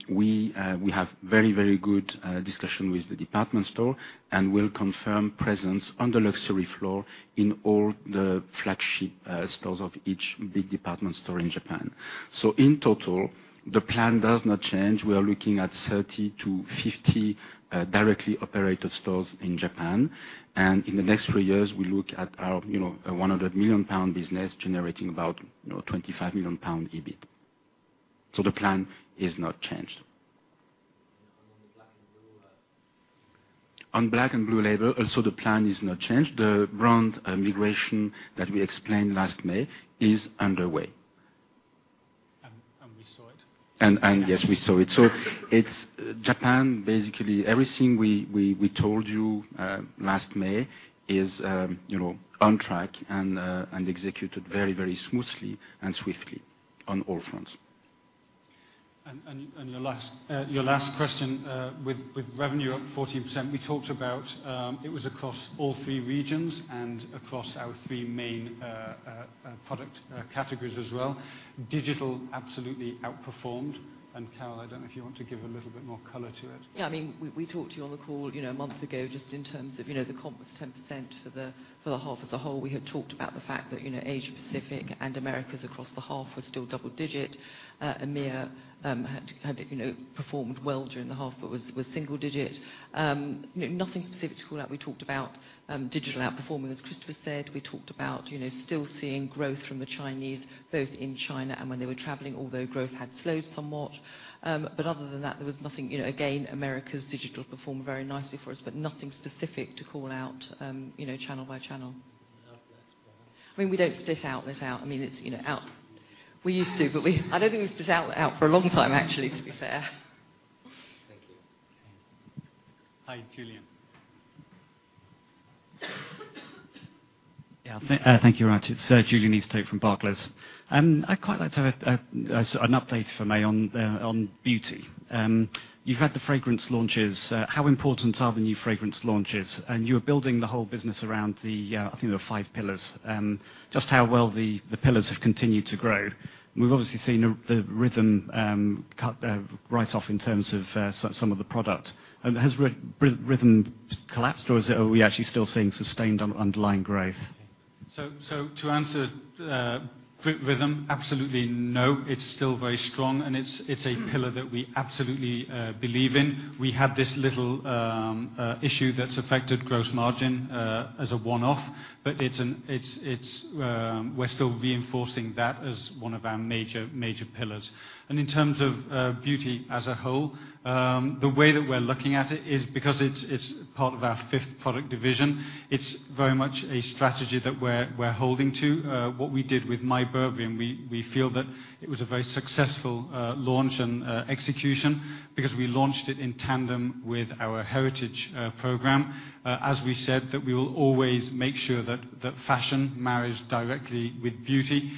we have very good discussion with the department store and will confirm presence on the luxury floor in all the flagship stores of each big department store in Japan. In total, the plan does not change. We are looking at 30 to 50 directly operated stores in Japan. In the next three years, we look at our 100 million pound business generating about 25 million pound EBIT. The plan is not changed. On Black Label and Blue Label, also the plan is not changed. The brand migration that we explained last May is underway. We saw it. Yes, we saw it. Japan, basically everything we told you last May is on track and executed very, very smoothly and swiftly on all fronts. Your last question, with revenue up 14%, we talked about it was across all three regions and across our three main product categories as well. Digital absolutely outperformed. Carol, I don't know if you want to give a little bit more color to it. We talked to you on the call a month ago just in terms of the comp was 10% for the half as a whole. We had talked about the fact that Asia-Pacific and Americas across the half were still double digit. EMEA had performed well during the half but was single digit. Nothing specific to call out. We talked about digital outperforming, as Christopher said. We talked about still seeing growth from the Chinese, both in China and when they were traveling, although growth had slowed somewhat. Other than that, there was nothing. Again, Americas digital performed very nicely for us, but nothing specific to call out channel by channel. Out that's balanced. We don't split out this out. We used to, I don't think we've split out for a long time, actually, to be fair. Thank you. Okay. Hi, Julian. Thank you, Christopher It's Julian Easthope from Barclays. I'd quite like to have an update from me on beauty. You've had the fragrance launches. How important are the new fragrance launches? You are building the whole business around the, I think there were five pillars. Just how well the pillars have continued to grow. We've obviously seen the Rhythm write-off in terms of some of the product. Has Rhythm collapsed, or are we actually still seeing sustained underlying growth? To answer Rhythm, absolutely no. It's still very strong, and it's a pillar that we absolutely believe in. We had this little issue that's affected gross margin, as a one-off, but we're still reinforcing that as one of our major pillars. In terms of beauty as a whole, the way that we're looking at it is because it's part of our fifth product division, it's very much a strategy that we're holding to. What we did with My Burberry, and we feel that it was a very successful launch and execution because we launched it in tandem with our Heritage program. As we said that we will always make sure that fashion marries directly with beauty.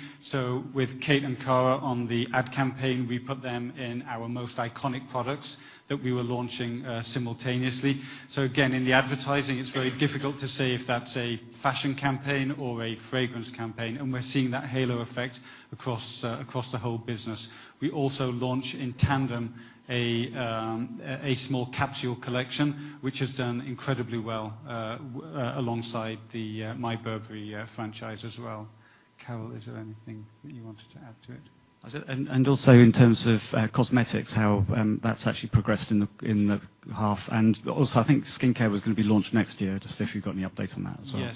With Kate and Cara on the ad campaign, we put them in our most iconic products that we were launching simultaneously. In the advertising, it's very difficult to say if that's a fashion campaign or a fragrance campaign, and we're seeing that halo effect across the whole business. We also launch in tandem a small capsule collection, which has done incredibly well alongside the My Burberry franchise as well. Carol, is there anything that you wanted to add to it? Also in terms of cosmetics, how that's actually progressed in the half. Also, I think skincare was going to be launched next year, just if you've got any updates on that as well. Yeah.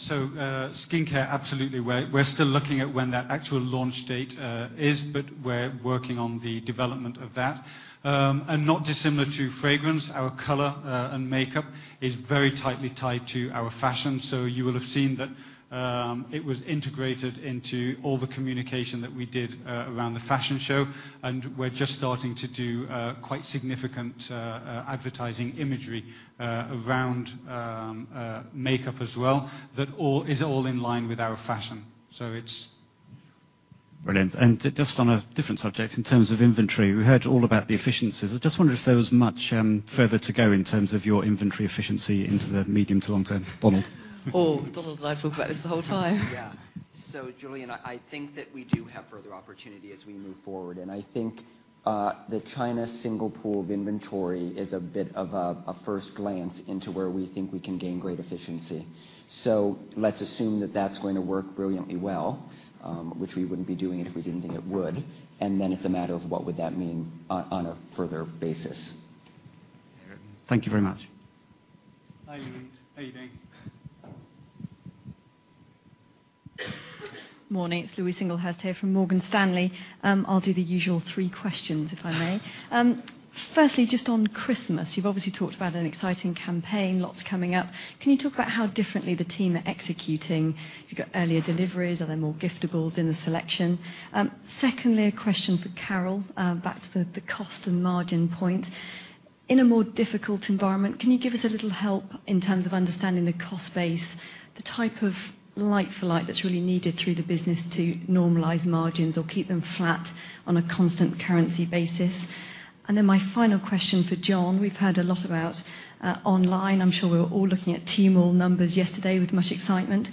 Skincare, absolutely. We're still looking at when that actual launch date is, but we're working on the development of that. Not dissimilar to fragrance, our color and makeup is very tightly tied to our fashion. You will have seen that it was integrated into all the communication that we did around the fashion show, and we're just starting to do quite significant advertising imagery around makeup as well that is all in line with our fashion. So it's Brilliant. Just on a different subject, in terms of inventory, we heard all about the efficiencies. I just wondered if there was much further to go in terms of your inventory efficiency into the medium to long term. Donald? Donald and I talk about this the whole time. Yeah. Julian, I think that we do have further opportunity as we move forward. I think the China single pool of inventory is a bit of a first glance into where we think we can gain great efficiency. Let's assume that that's going to work brilliantly well, which we wouldn't be doing if we didn't think it would. Then it's a matter of what would that mean on a further basis. Thank you very much. Hi, Louise. How you doing? Morning. It's Louise Singlehurst here from Morgan Stanley. I'll do the usual three questions, if I may. Firstly, just on Christmas, you've obviously talked about an exciting campaign, lots coming up. Can you talk about how differently the team are executing? Have you got earlier deliveries? Are there more giftables in the selection? Secondly, a question for Carol. Back to the cost and margin point. In a more difficult environment, can you give us a little help in terms of understanding the cost base, the type of like-for-like that's really needed through the business to normalize margins or keep them flat on a constant currency basis? My final question for John. We've heard a lot about online. I'm sure we were all looking at Tmall numbers yesterday with much excitement.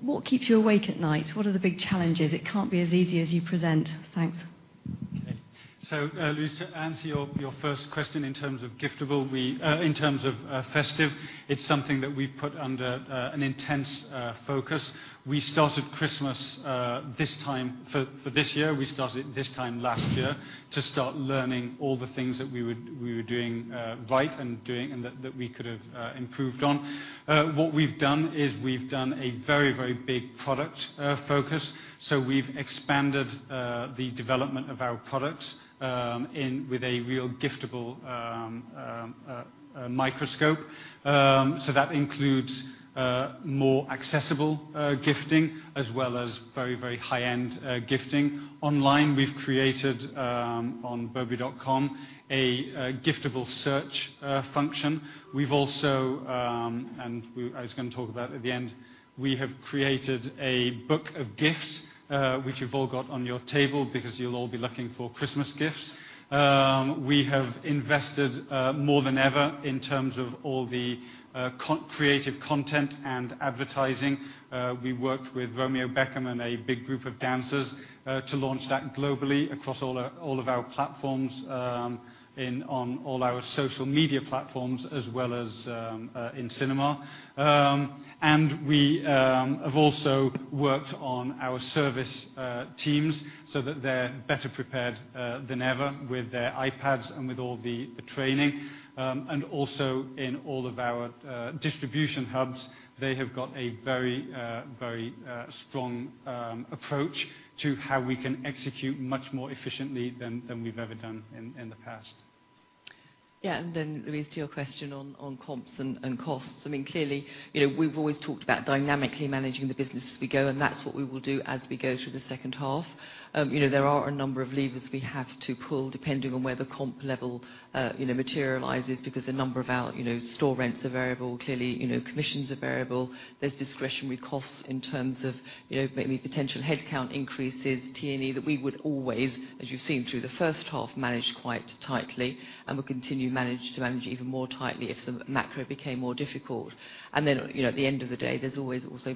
What keeps you awake at night? What are the big challenges? It can't be as easy as you present. Thanks. Louise, to answer your first question in terms of festive, it's something that we've put under an intense focus. We started Christmas for this year, we started this time last year to start learning all the things that we were doing right and that we could have improved on. What we've done is we've done a very big product focus. We've expanded the development of our product with a real giftable microscope. That includes more accessible gifting as well as very high-end gifting. Online, we've created, on burberry.com, a giftable search function. We've also, and I was going to talk about at the end, we have created a book of gifts, which you've all got on your table because you'll all be looking for Christmas gifts. We have invested more than ever in terms of all the creative content and advertising. We worked with Romeo Beckham and a big group of dancers to launch that globally across all of our platforms, on all our social media platforms, as well as in cinema. We have also worked on our service teams so that they're better prepared than ever with their iPads and with all the training. Also in all of our distribution hubs, they have got a very strong approach to how we can execute much more efficiently than we've ever done in the past. Yeah. Louise, to your question on comps and costs. Clearly, we've always talked about dynamically managing the business as we go, and that's what we will do as we go through the second half. There are a number of levers we have to pull depending on where the comp level materializes, because a number of our store rents are variable. Clearly, commissions are variable. There are discretionary costs in terms of maybe potential headcount increases, T&E, that we would always, as you've seen through the first half, manage quite tightly and will continue to manage even more tightly if the macro became more difficult. At the end of the day, there's always also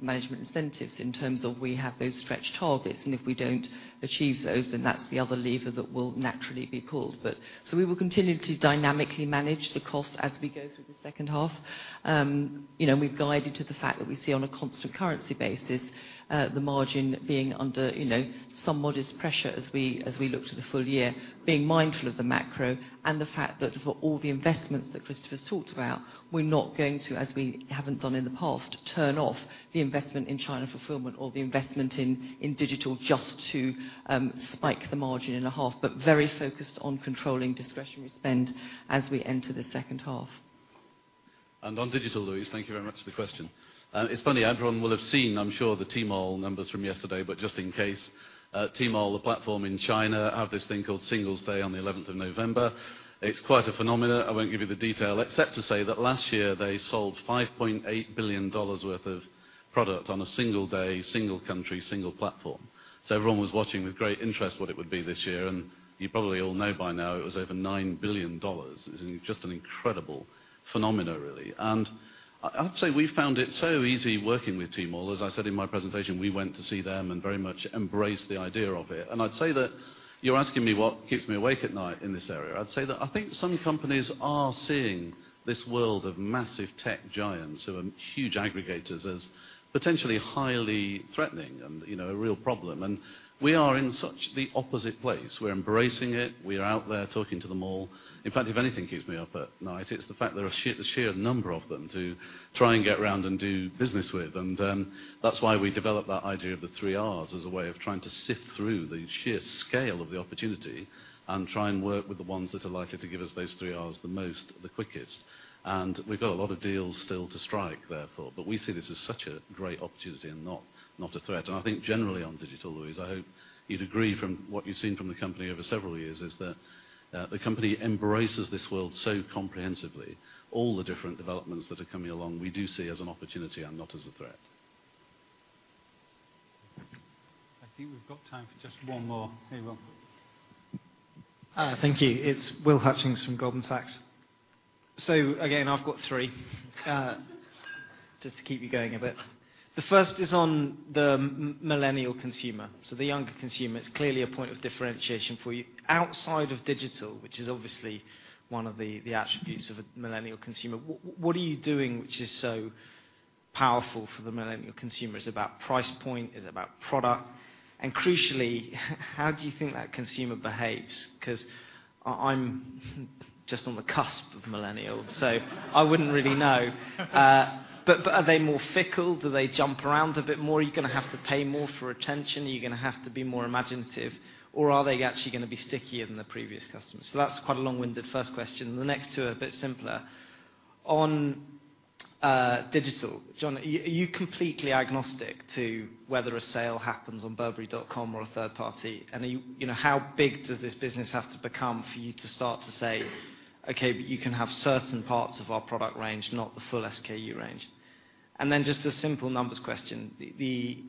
management incentives in terms of we have those stretched targets, and if we don't achieve those, that's the other lever that will naturally be pulled. We will continue to dynamically manage the cost as we go through the second half. We've guided to the fact that we see on a constant currency basis, the margin being under modest pressure as we look to the full year, being mindful of the macro and the fact that for all the investments that Christopher's talked about, we're not going to, as we haven't done in the past, turn off the investment in China fulfillment or the investment in digital just to spike the margin in a half, but very focused on controlling discretionary spend as we enter the second half. On digital, Louise, thank you very much for the question. It's funny, everyone will have seen, I'm sure, the Tmall numbers from yesterday, but just in case. Tmall, the platform in China, have this thing called Singles Day on the 11th of November. It's quite a phenomenon. I won't give you the detail except to say that last year they sold $5.8 billion worth of product on a single day, single country, single platform. Everyone was watching with great interest what it would be this year, and you probably all know by now it was over $9 billion. It's just an incredible phenomenon, really. I'd say we found it so easy working with Tmall. As I said in my presentation, we went to see them and very much embraced the idea of it. I'd say that you're asking me what keeps me awake at night in this area. I'd say that I think some companies are seeing this world of massive tech giants who are huge aggregators as potentially highly threatening and a real problem. We are in such the opposite place. We're embracing it. We are out there talking to them all. In fact, if anything keeps me up at night, it's the fact there are sheer number of them to try and get round and do business with. That's why we developed that idea of the three Rs as a way of trying to sift through the sheer scale of the opportunity and try and work with the ones that are likely to give us those three Rs the most, the quickest. We've got a lot of deals still to strike, therefore. We see this as such a great opportunity and not a threat. I think generally on digital, Louise, I hope you'd agree from what you've seen from the company over several years, is that the company embraces this world so comprehensively. All the different developments that are coming along, we do see as an opportunity and not as a threat. I think we've got time for just one more. Here we go. Hi. Thank you. It's Will Hutchings from Goldman Sachs. Again, I've got three. Just to keep you going a bit. The first is on the millennial consumer, the younger consumer. It's clearly a point of differentiation for you. Outside of digital, which is obviously one of the attributes of a millennial consumer, what are you doing which is so powerful for the millennial consumer? Is it about price point? Is it about product? Crucially, how do you think that consumer behaves? Because I'm just on the cusp of millennial so I wouldn't really know. Are they more fickle? Do they jump around a bit more? Are you going to have to pay more for attention? Are you going to have to be more imaginative? Are they actually going to be stickier than the previous customers? That's quite a long-winded first question. The next two are a bit simpler. On digital, John, are you completely agnostic to whether a sale happens on burberry.com or a third party? How big does this business have to become for you to start to say, "Okay, but you can have certain parts of our product range, not the full SKU range"? Then just a simple numbers question. The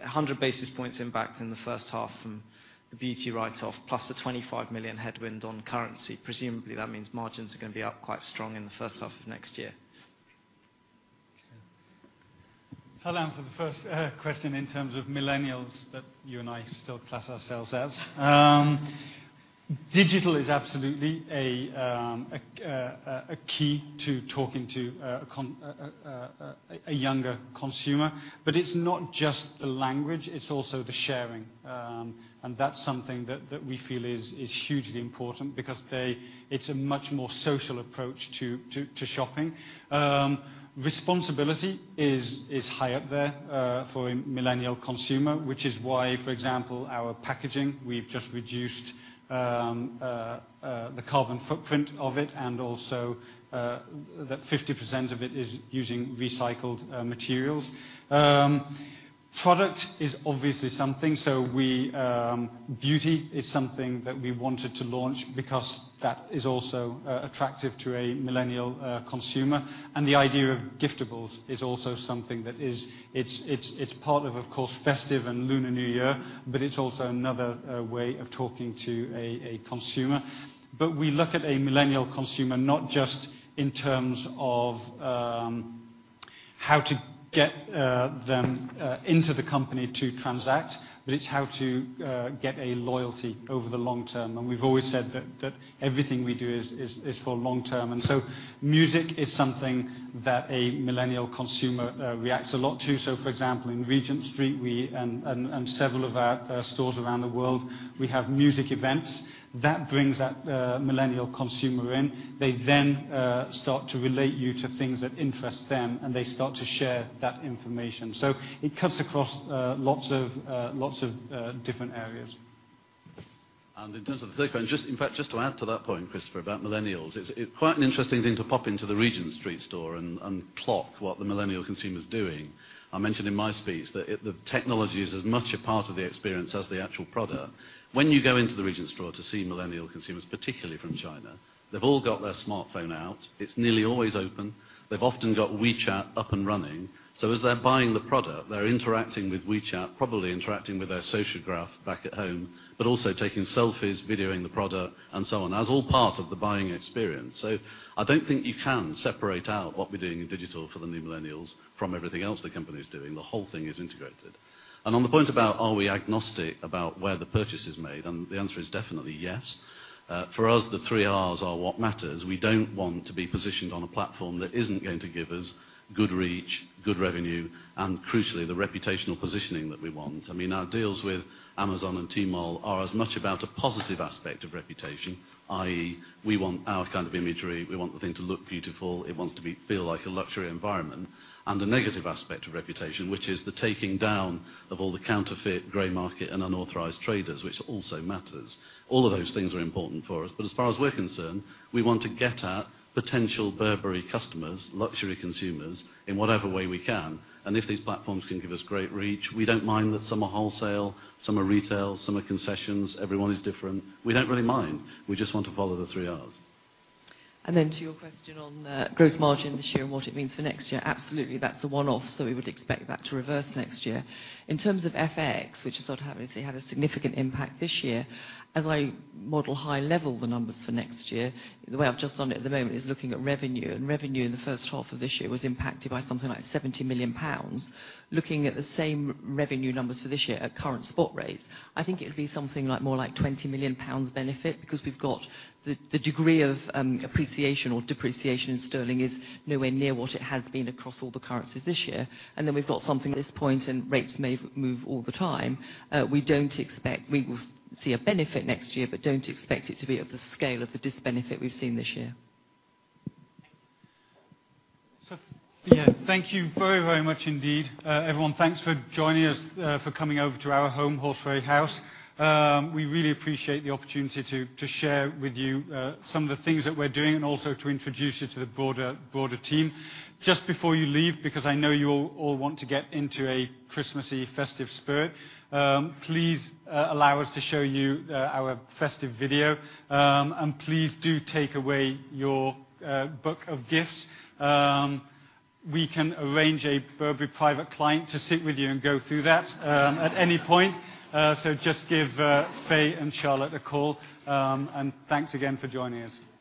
100 basis points impact in the first half from the beauty write-off plus the 25 million headwind on currency, presumably that means margins are going to be up quite strong in the first half of next year. I'll answer the first question in terms of millennials that you and I still class ourselves as. Digital is absolutely a key to talking to a younger consumer, but it's not just the language, it's also the sharing. That's something that we feel is hugely important because it's a much more social approach to shopping. Responsibility is high up there for a millennial consumer, which is why, for example, our packaging, we've just reduced the carbon footprint of it, and also that 50% of it is using recycled materials. Product is obviously something. Beauty is something that we wanted to launch because that is also attractive to a millennial consumer. The idea of giftables is also something that is part of course, festive and Lunar New Year, but it's also another way of talking to a consumer. We look at a millennial consumer not just in terms of how to get them into the company to transact, but it's how to get a loyalty over the long term. We've always said that everything we do is for long term. Music is something that a millennial consumer reacts a lot to. For example, in Regent Street, and several of our stores around the world, we have music events. That brings that millennial consumer in. They then start to relate you to things that interest them, and they start to share that information. It cuts across lots of different areas. In terms of the third point, in fact, just to add to that point, Christopher, about millennials, it's quite an interesting thing to pop into the Regent Street store and clock what the millennial consumer's doing. I mentioned in my speech that the technology is as much a part of the experience as the actual product. When you go into the Regent Street store to see millennial consumers, particularly from China, they've all got their smartphone out. It's nearly always open. They've often got WeChat up and running. As they're buying the product, they're interacting with WeChat, probably interacting with their social graph back at home, but also taking selfies, videoing the product, and so on. That's all part of the buying experience. I don't think you can separate out what we're doing in digital for the new millennials from everything else the company is doing. The whole thing is integrated. On the point about are we agnostic about where the purchase is made, the answer is definitely yes. For us, the three Rs are what matters. We don't want to be positioned on a platform that isn't going to give us good reach, good revenue, and crucially, the reputational positioning that we want. Our deals with Amazon and Tmall are as much about a positive aspect of reputation, i.e., we want our kind of imagery, we want the thing to look beautiful, it wants to feel like a luxury environment, and the negative aspect of reputation, which is the taking down of all the counterfeit, gray market, and unauthorized traders, which also matters. All of those things are important for us. As far as we're concerned, we want to get at potential Burberry customers, luxury consumers, in whatever way we can. If these platforms can give us great reach, we don't mind that some are wholesale, some are retail, some are concessions. Everyone is different. We don't really mind. We just want to follow the three Rs. To your question on gross margin this year and what it means for next year, absolutely. That's a one-off. We would expect that to reverse next year. In terms of FX, which has obviously had a significant impact this year, as I model high level the numbers for next year, the way I've just done it at the moment is looking at revenue, and revenue in the first half of this year was impacted by something like 70 million pounds. Looking at the same revenue numbers for this year at current spot rates, I think it would be something more like 20 million pounds benefit because we've got the degree of appreciation or depreciation in sterling is nowhere near what it has been across all the currencies this year. We've got something at this point, and rates may move all the time. We will see a benefit next year, don't expect it to be of the scale of the disbenefit we've seen this year. Yeah. Thank you very, very much indeed. Everyone, thanks for joining us, for coming over to our home, Horseferry House. We really appreciate the opportunity to share with you some of the things that we're doing and also to introduce you to the broader team. Just before you leave, because I know you all want to get into a Christmassy, festive spirit, please allow us to show you our festive video. Please do take away your book of gifts. We can arrange a Burberry private client to sit with you and go through that at any point. Just give Faye and Charlotte a call, thanks again for joining us.